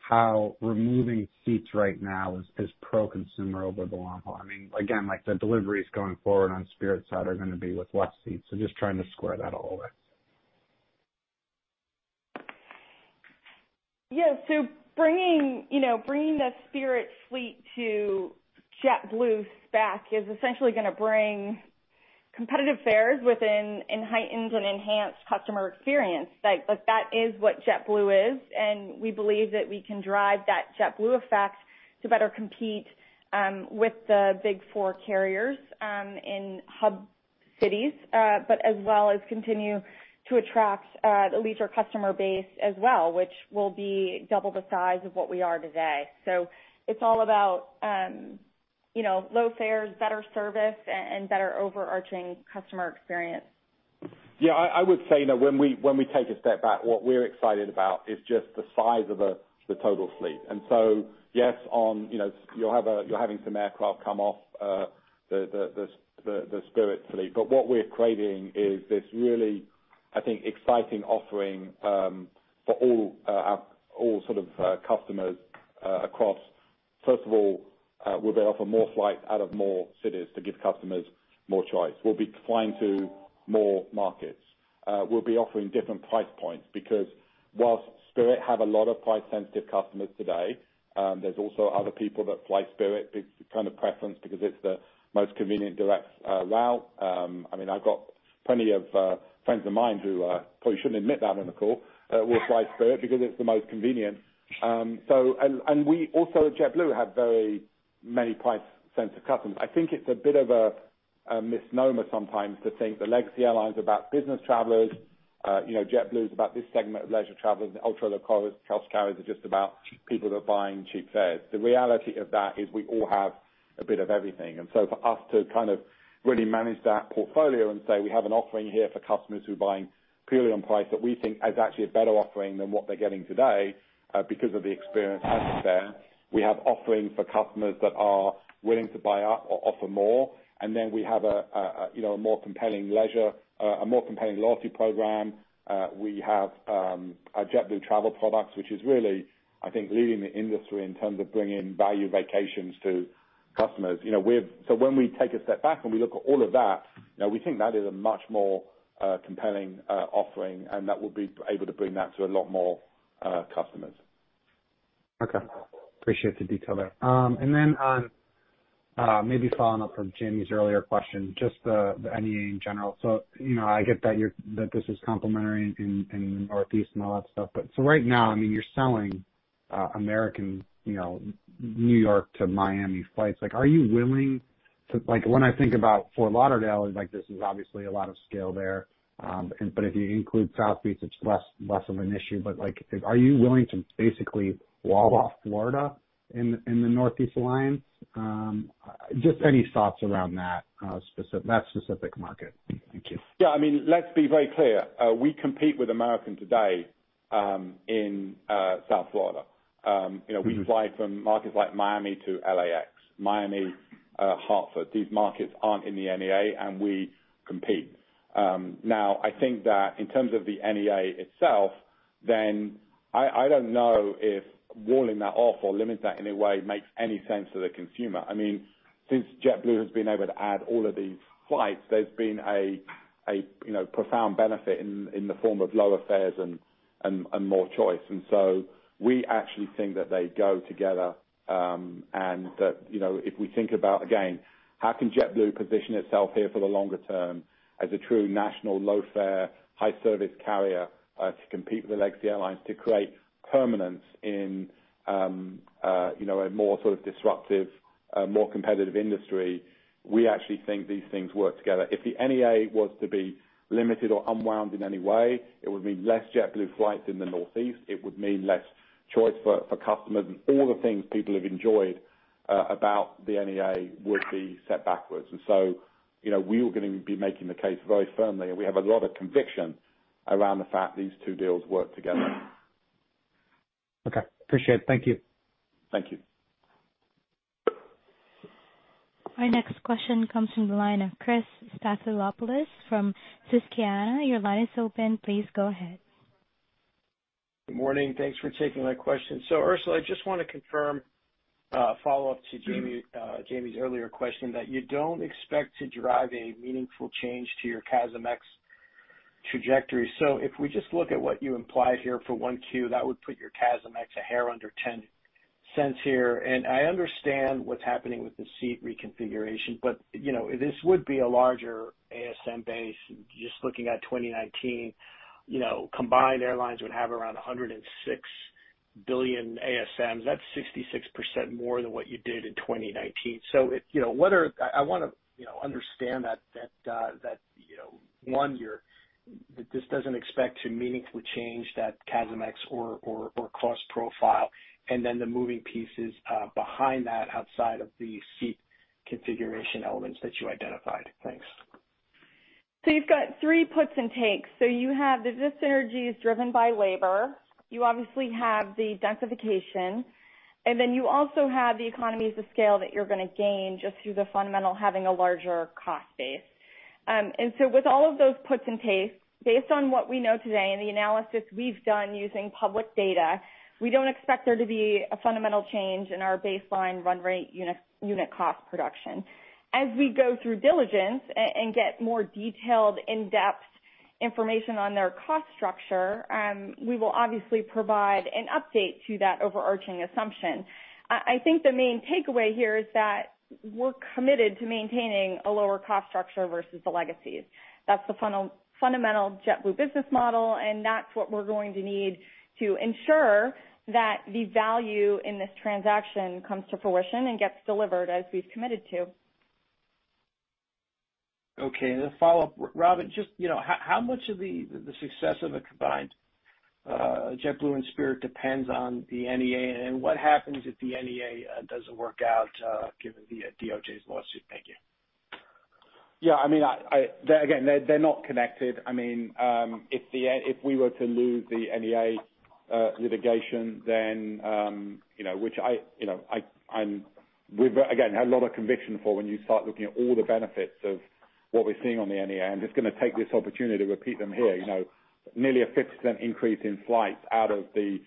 how removing seats right now is pro-consumer over the long haul. I mean, again, like the deliveries going forward on Spirit's side are gonna be with less seats, so just trying to square that all away. Yeah. Bringing, you know, the Spirit fleet to JetBlue's backyard is essentially gonna bring competitive fares with heightened and enhanced customer experience. Like, that is what JetBlue is, and we believe that we can drive that JetBlue Effect to better compete with the big four carriers in hub cities, but as well as continue to attract the leisure customer base as well, which will be double the size of what we are today. It's all about, you know, low fares, better service, and better overarching customer experience. Yeah. I would say that when we take a step back, what we're excited about is just the size of the total fleet. Yes, you know, you're having some aircraft come off the Spirit fleet. What we're creating is this really, I think, exciting offering for all sort of customers across. First of all, we're gonna offer more flights out of more cities to give customers more choice. We'll be flying to more markets. We'll be offering different price points because while Spirit have a lot of price-sensitive customers today, there's also other people that fly Spirit. It's kind of preference because it's the most convenient direct route. I mean, I've got plenty of friends of mine who probably shouldn't admit that on the call will fly Spirit because it's the most convenient. We also at JetBlue have very many price-sensitive customers. I think it's a bit of a misnomer sometimes to think the legacy airlines are about business travelers, you know, JetBlue's about this segment of leisure travelers, and the ultra low-cost carriers are just about people that are buying cheap fares. The reality of that is we all have a bit of everything. For us to kind of really manage that portfolio and say we have an offering here for customers who are buying purely on price that we think is actually a better offering than what they're getting today because of the experience and the fare. We have offerings for customers that are willing to buy up or offer more, and then we have you know, a more compelling leisure, a more compelling loyalty program. We have our JetBlue Travel Products, which is really, I think, leading the industry in terms of bringing value vacations to customers. You know, when we take a step back and we look at all of that, you know, we think that is a much more compelling offering, and that we'll be able to bring that to a lot more customers. Okay. Appreciate the detail there. Maybe following up from Jamie's earlier question, just the NEA in general. You know, I get that this is complementary in Northeast and all that stuff. Right now, I mean, you're selling American New York to Miami flights. Like, are you willing to? Like, when I think about Fort Lauderdale, like this is obviously a lot of scale there. If you include Southeast, it's less of an issue. Like, are you willing to basically wall off Florida in the Northeast Alliance? Just any thoughts around that specific market? Thank you. Yeah. I mean, let's be very clear. We compete with American today in South Florida. You know, we fly from markets like Miami to LAX, Miami to Hartford. These markets aren't in the NEA, and we compete. Now, I think that in terms of the NEA itself, then I don't know if walling that off or limiting that in a way makes any sense to the consumer. I mean, since JetBlue has been able to add all of these flights, there's been a you know profound benefit in the form of lower fares and more choice. We actually think that they go together, and that, you know, if we think about, again, how can JetBlue position itself here for the longer term as a true national low-fare, high-service carrier, to compete with the legacy airlines to create permanence in, you know, a more sort of disruptive, more competitive industry. We actually think these things work together. If the NEA was to be limited or unwound in any way, it would mean less JetBlue flights in the Northeast. It would mean less choice for customers, and all the things people have enjoyed about the NEA would be set backwards. You know, we're gonna be making the case very firmly, and we have a lot of conviction around the fact these two deals work together. Okay. Appreciate it. Thank you. Thank you. Our next question comes from the line of Chris from Susquehanna. Your line is open. Please go ahead. Good morning. Thanks for taking my question. Ursula, I just wanna confirm, follow-up to Jamie's earlier question that you don't expect to drive a meaningful change to your CASM ex-fuel trajectory. If we just look at what you implied here for Q1, that would put your CASM ex a hair under $0.10 here. I understand what's happening with the seat reconfiguration, but, you know, this would be a larger ASM base. Just looking at 2019, you know, combined airlines would have around 106 billion ASMs. That's 66% more than what you did in 2019. You know, I wanna, you know, understand that, you know, in one year this doesn't expect to meaningfully change that CASMx or cost profile, and then the moving pieces behind that outside of the seat configuration elements that you identified. Thanks. You've got three puts and takes. You have the synergies driven by labor. You obviously have the densification, and then you also have the economies of scale that you're gonna gain just through the fundamental having a larger cost base. With all of those puts and takes, based on what we know today and the analysis we've done using public data, we don't expect there to be a fundamental change in our baseline run rate unit cost production. As we go through diligence and get more detailed in-depth information on their cost structure, we will obviously provide an update to that overarching assumption. I think the main takeaway here is that we're committed to maintaining a lower cost structure versus the legacies. That's the fundamental JetBlue business model, and that's what we're going to need to ensure that the value in this transaction comes to fruition and gets delivered as we've committed to. Okay. The follow-up, Robin, just, you know, how much of the success of a combined JetBlue and Spirit depends on the NEA, and what happens if the NEA doesn't work out, given the DOJ's lawsuit? Thank you. Yeah, I mean, again, they're not connected. I mean, if we were to lose the NEA litigation then, you know, which I, you know, I'm. We've, again, had a lot of conviction for when you start looking at all the benefits of what we're seeing on the NEA, and just gonna take this opportunity to repeat them here. You know, nearly a 50% increase in flights out of the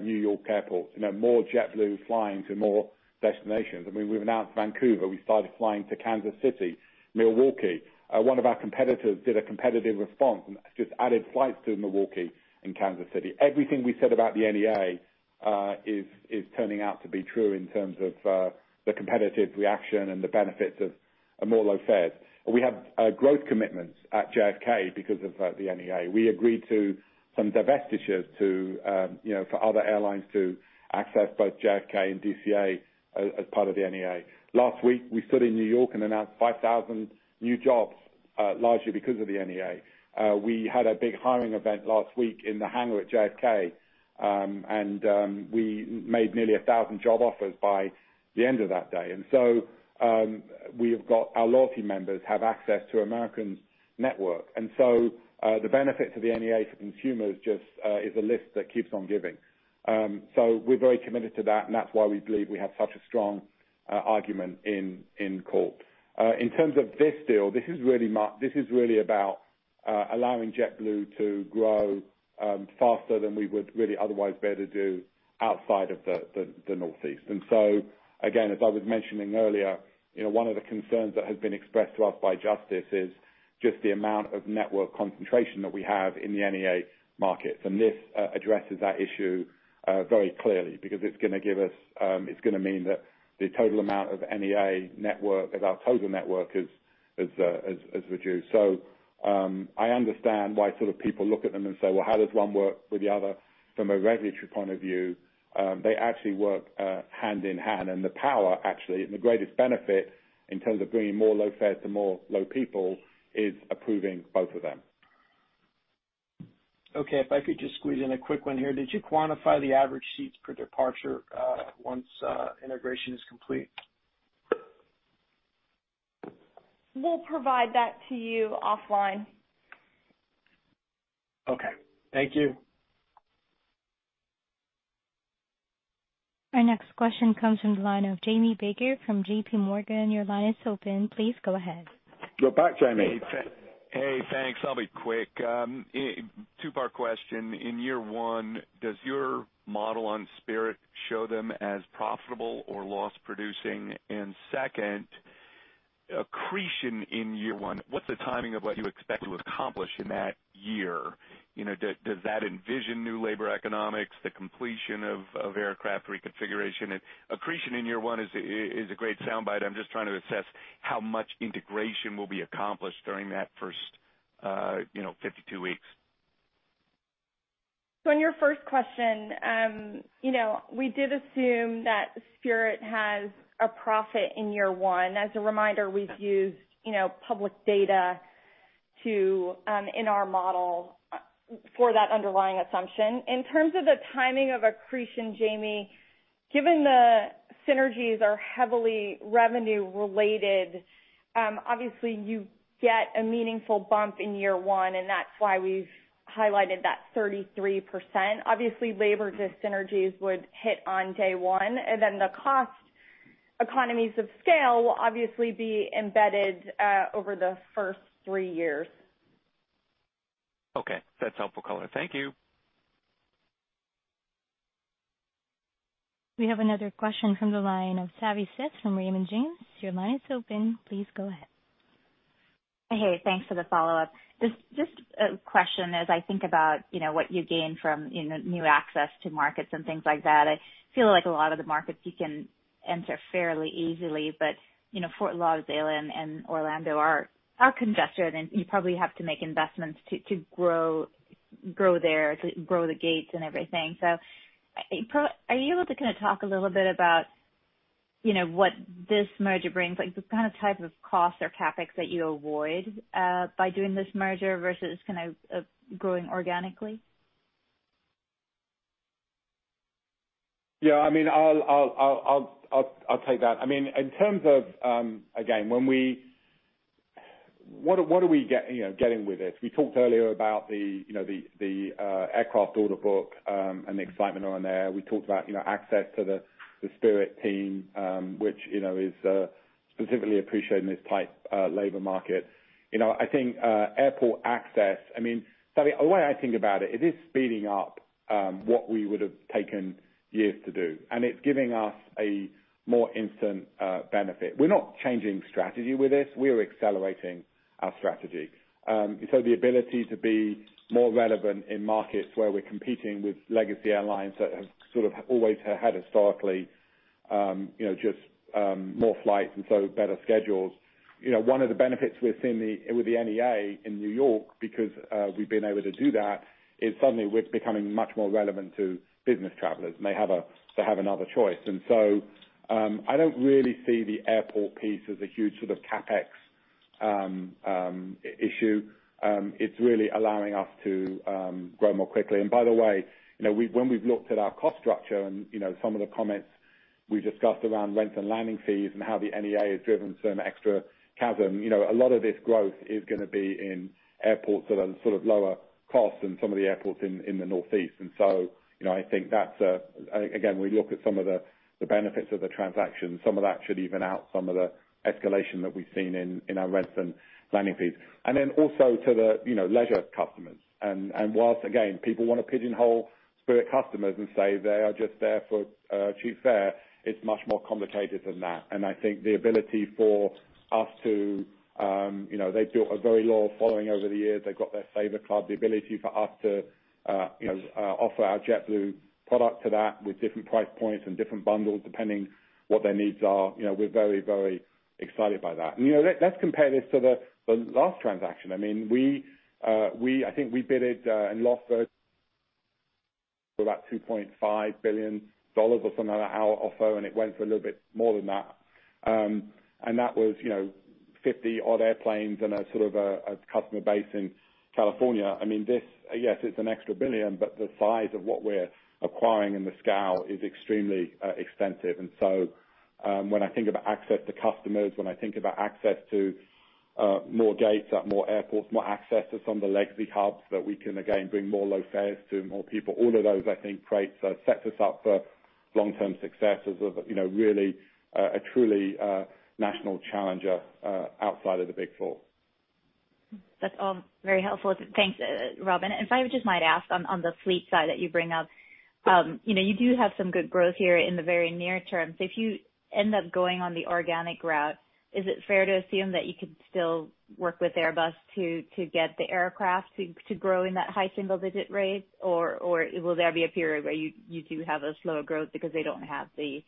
New York airports. You know, more JetBlue flying to more destinations. I mean, we've announced Vancouver. We started flying to Kansas City, Milwaukee. One of our competitors did a competitive response and just added flights to Milwaukee and Kansas City. Everything we said about the NEA is turning out to be true in terms of the competitive reaction and the benefits of more low fares. We have growth commitments at JFK because of the NEA. We agreed to some divestitures to, you know, for other airlines to access both JFK and DCA as part of the NEA. Last week, we stood in New York and announced 5,000 new jobs, largely because of the NEA. We had a big hiring event last week in the hangar at JFK, and we made nearly 1,000 job offers by the end of that day. We have got our loyalty members have access to American's network. The benefit to the NEA for consumers just is a list that keeps on giving. We're very committed to that, and that's why we believe we have such a strong argument in court. In terms of this deal, this is really about allowing JetBlue to grow faster than we would really otherwise be able to do outside of the Northeast. Again, as I was mentioning earlier, you know, one of the concerns that has been expressed to us by Justice is just the amount of network concentration that we have in the NEA markets. This addresses that issue very clearly because it's gonna give us, it's gonna mean that the total amount of NEA network of our total network is reduced. I understand why sort of people look at them and say, "Well, how does one work with the other from a regulatory point of view?" They actually work hand in hand, and the power actually and the greatest benefit in terms of bringing more low fares to more people is approving both of them. Okay, if I could just squeeze in a quick one here. Did you quantify the average seats per departure, once integration is complete? We'll provide that to you offline. Okay. Thank you. Our next question comes from the line of Jamie Baker from J.P. Morgan. Your line is open. Please go ahead. You're back, Jamie. Hey, thanks. I'll be quick. Your two-part question. In year one, does your model show them as profitable or loss producing? Second, accretion in year one, what's the timing of what you expect to accomplish in that year? You know, does that envision new labor economics, the completion of aircraft reconfiguration? Accretion in year one is a great soundbite. I'm just trying to assess how much integration will be accomplished during that first, you know, 52 weeks. In your first question, you know, we did assume that Spirit has a profit in year one. As a reminder, we've used, you know, public data to in our model for that underlying assumption. In terms of the timing of accretion, Jamie, given the synergies are heavily revenue related, obviously you get a meaningful bump in year one, and that's why we've highlighted that 33%. Obviously, labor synergies would hit on day one, and then the cost economies of scale will obviously be embedded over the first three years. Okay. That's helpful color. Thank you. We have another question from the line of Savanthi Syth from Raymond James. Your line is open. Please go ahead. Hey, thanks for the follow-up. Just a question as I think about, you know, what you gain from, you know, new access to markets and things like that. I feel like a lot of the markets you can enter fairly easily, but you know, Fort Lauderdale and Orlando are congested, and you probably have to make investments to grow there, to grow the gates and everything. So are you able to kinda talk a little bit about, you know, what this merger brings? Like the kind of type of costs or CapEx that you avoid by doing this merger versus kind of growing organically? Yeah, I mean, I'll take that. I mean, in terms of, again, what are we getting with this? We talked earlier about the, you know, the aircraft order book and the excitement around there. We talked about, you know, access to the Spirit team, which, you know, is specifically appreciated in this tight labor market. You know, I think airport access, I mean, Savi, the way I think about it is speeding up what we would've taken years to do, and it's giving us a more instant benefit. We're not changing strategy with this. We are accelerating our strategy. The ability to be more relevant in markets where we're competing with legacy airlines that have sort of always had historically, you know, just, more flights and so better schedules. You know, one of the benefits we've seen with the NEA in New York because we've been able to do that, is suddenly we're becoming much more relevant to business travelers, and they have another choice. I don't really see the airport piece as a huge sort of CapEx issue. It's really allowing us to grow more quickly. By the way, you know, when we've looked at our cost structure and, you know, some of the comments we discussed around rent and landing fees and how the NEA has driven some extra CASM, you know, a lot of this growth is gonna be in airports that are sort of lower cost than some of the airports in the Northeast. You know, I think that's a, again, we look at some of the benefits of the transaction. Some of that should even out some of the escalation that we've seen in our rent and landing fees. Then also to the, you know, leisure customers. Whilst, again, people want to pigeonhole Spirit customers and say they are just there for a cheap fare, it's much more complicated than that. I think the ability for us to, you know, they built a very loyal following over the years. They've got their Saver Club. The ability for us to, you know, offer our JetBlue product to that with different price points and different bundles, depending what their needs are, you know, we're very, very excited by that. You know, let's compare this to the last transaction. I mean, we bid it and lost it for about $2.5 billion or something like our offer, and it went for a little bit more than that. That was, you know, 50-odd airplanes and a sort of a customer base in California. I mean, this, yes, it's an extra billion, but the size of what we're acquiring in the scale is extremely extensive. When I think about access to customers, when I think about access to more gates at more airports, more access to some of the legacy hubs that we can again bring more low fares to more people, all of those, I think, sets us up for long-term success as a, you know, really, a truly, national challenger outside of the Big Four. That's all very helpful. Thanks, Robin. If I just might ask on the fleet side that you bring up, you do have some good growth here in the very near term. If you end up going on the organic route, is it fair to assume that you could still work with Airbus to get the aircraft to grow in that high single digit rate? Or will there be a period where you do have a slower growth because they don't have the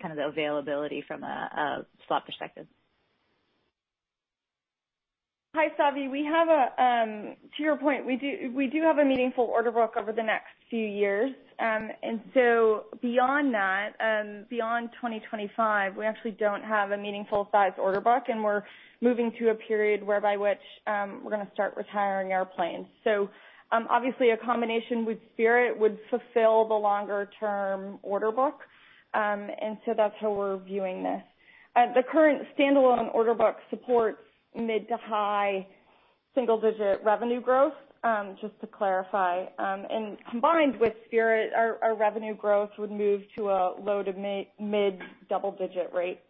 kind of availability from a slot perspective? Hi, Savi. To your point, we do have a meaningful order book over the next few years. Beyond 2025, we actually don't have a meaningful size order book, and we're moving to a period whereby which we're gonna start retiring our planes. Obviously a combination with Spirit would fulfill the longer term order book. That's how we're viewing this. The current standalone order book supports mid- to high-single-digit revenue growth, just to clarify. Combined with Spirit, our revenue growth would move to a low- to mid-double-digit rate.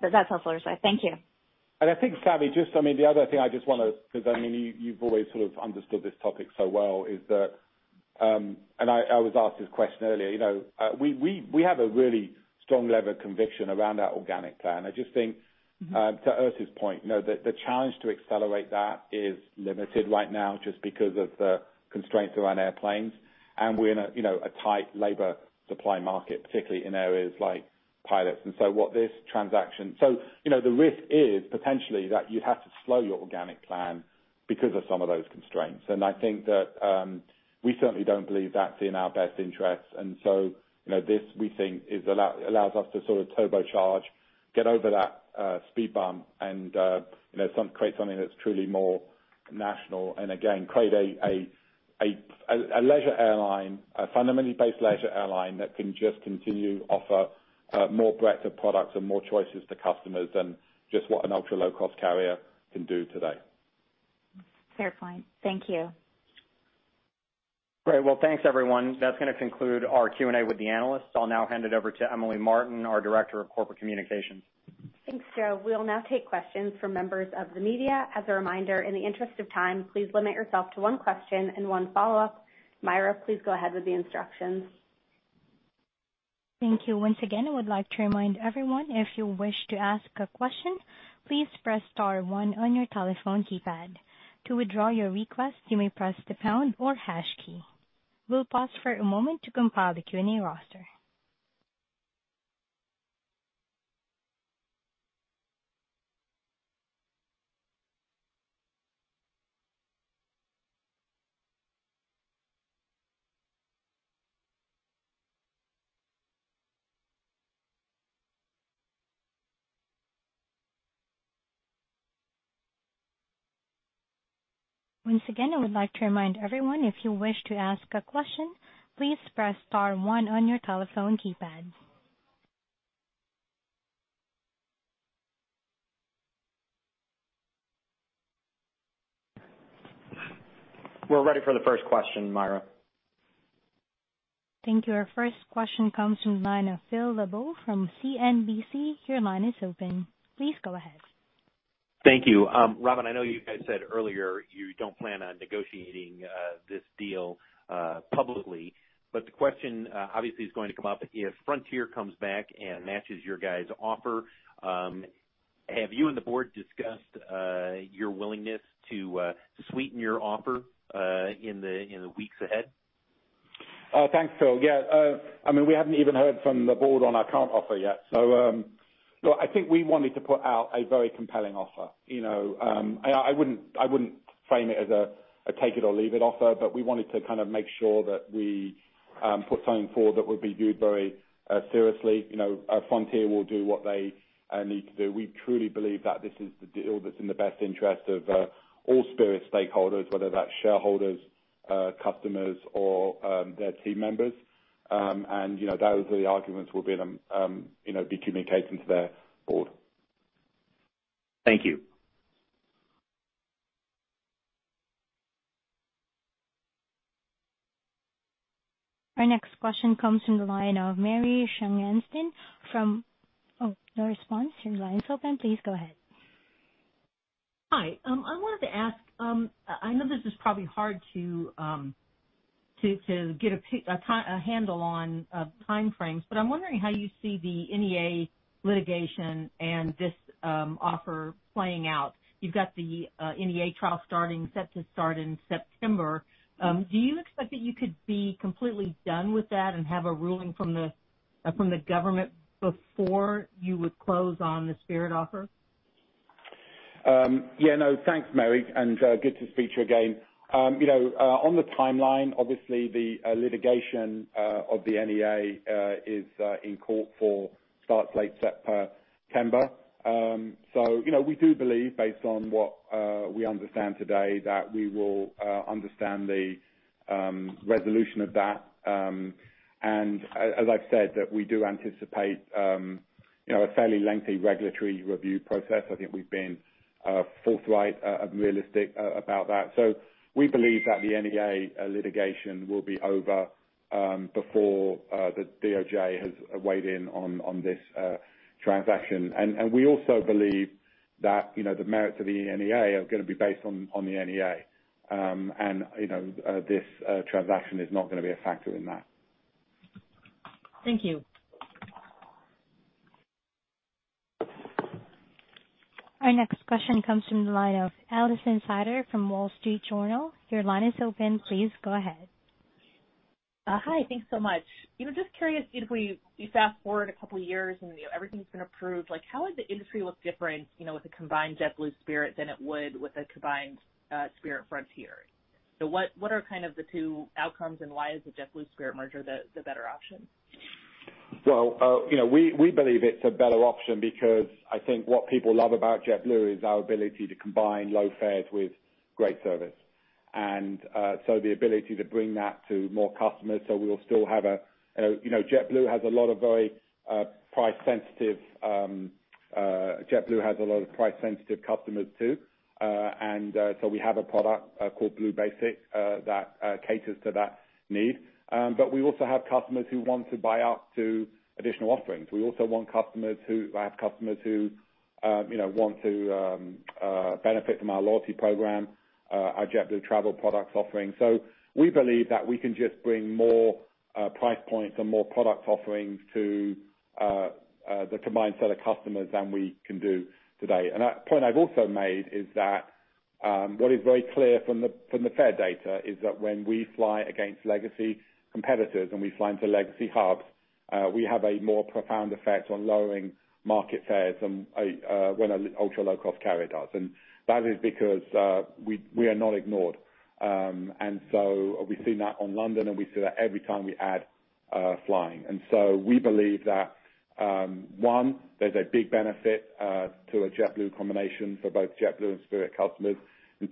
That's helpful, sir. Thank you. I think, Savvy, just, I mean, the other thing I just wanna, 'cause I mean, you've always sort of understood this topic so well, is that, and I was asked this question earlier. You know, we have a really strong level of conviction around our organic plan. I just think- Mm-hmm. To Ursula's point, you know, the challenge to accelerate that is limited right now just because of the constraints around airplanes. We're in a, you know, a tight labor supply market, particularly in areas like pilots. You know, the risk is potentially that you have to slow your organic plan because of some of those constraints. I think that, we certainly don't believe that's in our best interest. You know, this, we think, allows us to sort of turbocharge, get over that, speed bump and, you know, create something that's truly more national and again, create a leisure airline, a fundamentally based leisure airline that can just continue to offer more breadth of products and more choices to customers than just what an ultra-low-cost carrier can do today. Fair point. Thank you. Great. Well, thanks everyone. That's gonna conclude our Q&A with the analysts. I'll now hand it over to Emily Martin, our Director of Corporate Communications. Thanks, Joe. We'll now take questions from members of the media. As a reminder, in the interest of time, please limit yourself to one question and one follow-up. Myra, please go ahead with the instructions. Thank you. Once again, I would like to remind everyone, if you wish to ask a question, please press star one on your telephone keypad. To withdraw your request, you may press the pound or hash key. We'll pause for a moment to compile the Q&A roster. Once again, I would like to remind everyone, if you wish to ask a question, please press star one on your telephone keypad. We're ready for the first question, Myra. Thank you. Our first question comes from the line of Phil Le Beau from CNBC. Your line is open. Please go ahead. Thank you. Robin, I know you guys said earlier you don't plan on negotiating this deal, obviously the question is going to come up, if Frontier comes back and matches your guys' offer, have you and the board discussed your willingness to sweeten your offer in the weeks ahead? Thanks, Phil. Yeah. I mean, we haven't even heard from the board on our current offer yet, so I think we wanted to put out a very compelling offer. You know, I wouldn't frame it as a take it or leave it offer, but we wanted to kind of make sure that we put something forward that would be viewed very seriously. You know, Frontier will do what they need to do. We truly believe that this is the deal that's in the best interest of all Spirit stakeholders, whether that's shareholders, customers or their team members. You know, those are the arguments we'll be making to them, communicating to their board. Thank you. Our next question comes from the line of Mary Schlangenstein from. Oh, no response. Your line's open. Please go ahead. Hi. I wanted to ask, I know this is probably hard to get a handle on time frames, but I'm wondering how you see the NEA litigation and this offer playing out. You've got the NEA trial starting, set to start in September. Do you expect that you could be completely done with that and have a ruling from the government before you would close on the Spirit offer? Yeah, no, thanks, Mary, and good to speak to you again. You know, on the timeline, obviously the litigation of the NEA is in court set for late September. So, you know, we do believe based on what we understand today, that we will understand the resolution of that. And as I've said, that we do anticipate, you know, a fairly lengthy regulatory review process. I think we've been forthright and realistic about that. So we believe that the NEA litigation will be over before the DOJ has weighed in on this transaction. And we also believe that, you know, the merits of the NEA are gonna be based on the NEA. You know, this transaction is not gonna be a factor in that. Thank you. Our next question comes from the line of Alison Sider from Wall Street Journal. Your line is open. Please go ahead. Hi. Thanks so much. You know, just curious if we fast forward a couple years and, you know, everything's been approved, like, how would the industry look different, you know, with a combined JetBlue-Spirit than it would with a combined Spirit-Frontier? What are kind of the two outcomes, and why is the JetBlue Spirit merger the better option? Well, you know, we believe it's a better option because I think what people love about JetBlue is our ability to combine low fares with great service, the ability to bring that to more customers. We'll still have, you know, JetBlue has a lot of very price sensitive customers too. We have a product called Blue Basic that caters to that need. But we also have customers who want to buy up to additional offerings. We also have customers who want to benefit from our loyalty program, our JetBlue Travel Products offering. We believe that we can just bring more price points and more product offerings to the combined set of customers than we can do today. A point I've also made is that what is very clear from the fare data is that when we fly against legacy competitors and we fly into legacy hubs, we have a more profound effect on lowering market fares than when an ultra-low-cost carrier does. That is because we are not ignored. We've seen that on London, and we see that every time we add flying. We believe that one, there's a big benefit to a JetBlue combination for both JetBlue and Spirit customers.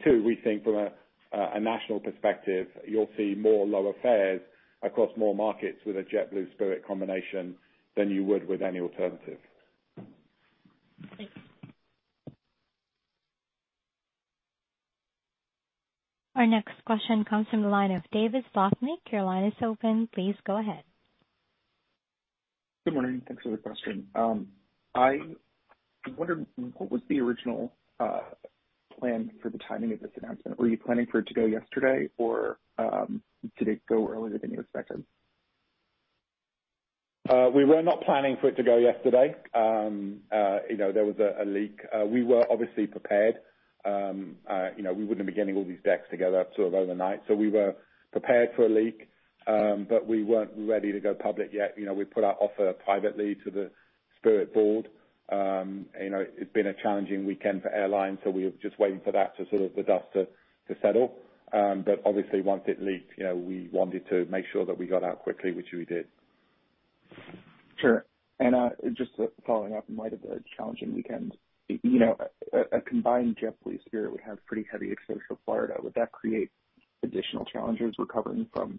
Two, we think from a national perspective, you'll see more lower fares across more markets with a JetBlue-Spirit combination than you would with any alternative. Thanks. Our next question comes from the line of David Koenig. Your line is open. Please go ahead. Good morning. Thanks for the question. I wonder what was the original plan for the timing of this announcement? Were you planning for it to go yesterday, or did it go earlier than you expected? We were not planning for it to go yesterday. You know, there was a leak. We were obviously prepared. You know, we wouldn't be getting all these decks together sort of overnight, so we were prepared for a leak, but we weren't ready to go public yet. You know, we put our offer privately to the Spirit board. You know, it's been a challenging weekend for airlines, so we're just waiting for the dust to settle. Obviously once it leaked, you know, we wanted to make sure that we got out quickly, which we did. Sure. Just following up in light of the challenging weekend, you know, a combined JetBlue-Spirit would have pretty heavy exposure to Florida. Would that create additional challenges recovering from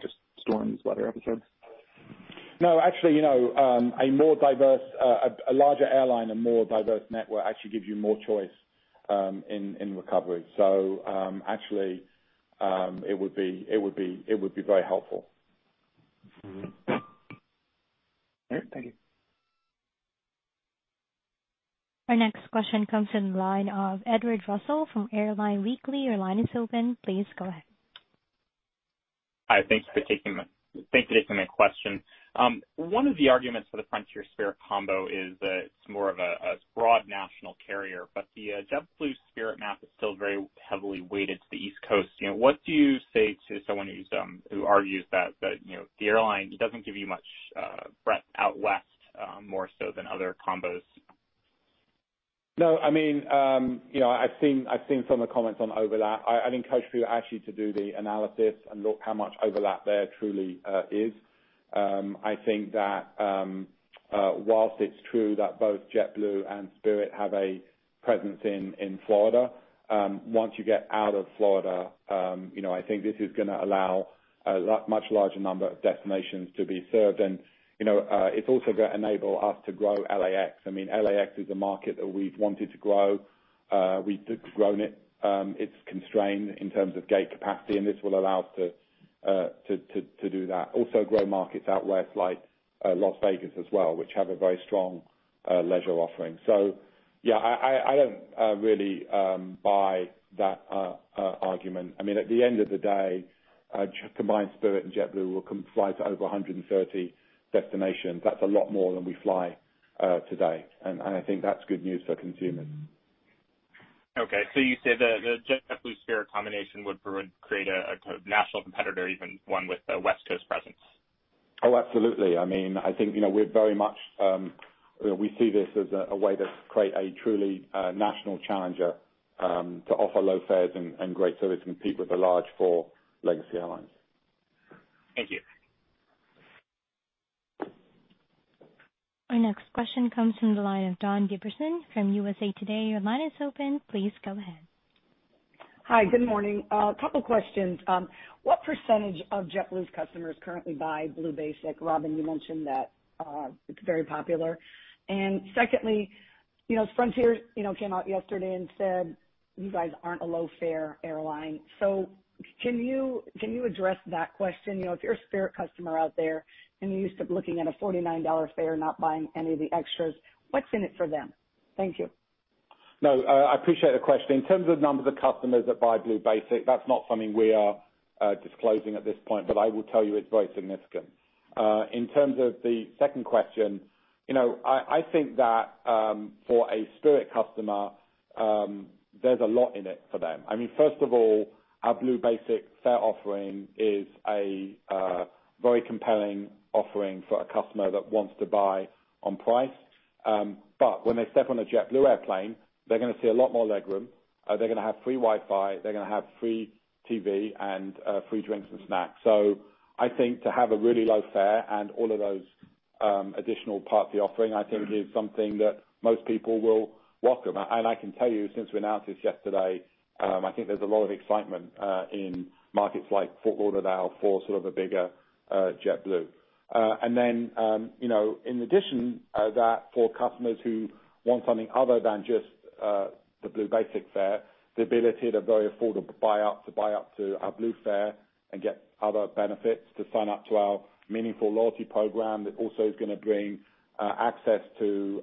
just storms, weather episodes? No, actually, you know, a more diverse, a larger airline and more diverse network actually gives you more choice in recovery. Actually, it would be very helpful. All right. Thank you. Our next question comes in the line of Edward Russell from Airline Weekly. Your line is open. Please go ahead. Hi. Thank you for taking my question. One of the arguments for the Frontier-Spirit combo is that it's more of a broad national carrier, but the JetBlue Spirit map is still very heavily weighted to the East Coast. You know, what do you say to someone who argues that you know, the airline doesn't give you much breadth out west, more so than other combos? No, I mean, you know, I've seen some of the comments on overlap. I think I'll encourage people actually to do the analysis and look how much overlap there truly is. I think that while it's true that both JetBlue and Spirit have a presence in Florida, once you get out of Florida, you know, I think this is gonna allow a much larger number of destinations to be served. You know, it's also gonna enable us to grow LAX. I mean, LAX is a market that we've wanted to grow. We've grown it. It's constrained in terms of gate capacity, and this will allow us to do that. Also grow markets out west like Las Vegas as well, which have a very strong leisure offering. Yeah, I don't really buy that argument. I mean, at the end of the day, combined Spirit and JetBlue will fly to over 130 destinations. That's a lot more than we fly today. I think that's good news for consumers. Okay. You say the JetBlue-Spirit combination would create a national competitor, even one with a West Coast presence? Oh, absolutely. I mean, I think, you know, we're very much, you know, we see this as a way to create a truly national challenger to offer low fares and great service to compete with the large four legacy airlines. Thank you. Our next question comes from the line of Dawn Gilbertson from USA Today. Your line is open. Please go ahead. Hi. Good morning. A couple questions. What percentage of JetBlue's customers currently buy Blue Basic? Robin, you mentioned that it's very popular. Secondly, you know, Frontier, you know, came out yesterday and said you guys aren't a low-fare airline. Can you address that question? You know, if you're a Spirit customer out there and you're used to looking at a $49 fare, not buying any of the extras, what's in it for them? Thank you. No, I appreciate the question. In terms of numbers of customers that buy Blue Basic, that's not something we are disclosing at this point, but I will tell you it's very significant. In terms of the second question, you know, I think that for a Spirit customer, there's a lot in it for them. I mean, first of all, our Blue Basic fare offering is a very compelling offering for a customer that wants to buy on price. When they step on a JetBlue airplane, they're gonna see a lot more legroom. They're gonna have free Wi-Fi, they're gonna have free TV and free drinks and snacks. I think to have a really low fare and all of those additional parts of the offering, I think is something that most people will welcome. I can tell you since we announced this yesterday, I think there's a lot of excitement in markets like Fort Lauderdale for sort of a bigger JetBlue. You know, in addition, for customers who want something other than just the Blue Basic fare, the ability at a very affordable buy-up to buy up to our Blue fare and get other benefits, to sign up to our meaningful loyalty program, that also is gonna bring access to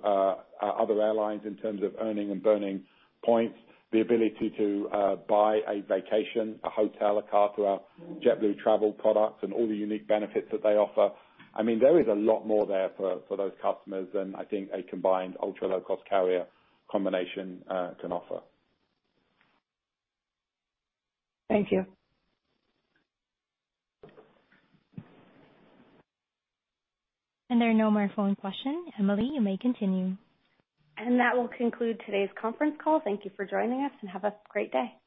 other airlines in terms of earning and burning points, the ability to buy a vacation, a hotel, a car through our JetBlue Travel Products and all the unique benefits that they offer. I mean, there is a lot more there for those customers than I think a combined ultra-low-cost carrier combination can offer. Thank you. There are no more phone questions. Emily, you may continue. That will conclude today's conference call. Thank you for joining us and have a great day.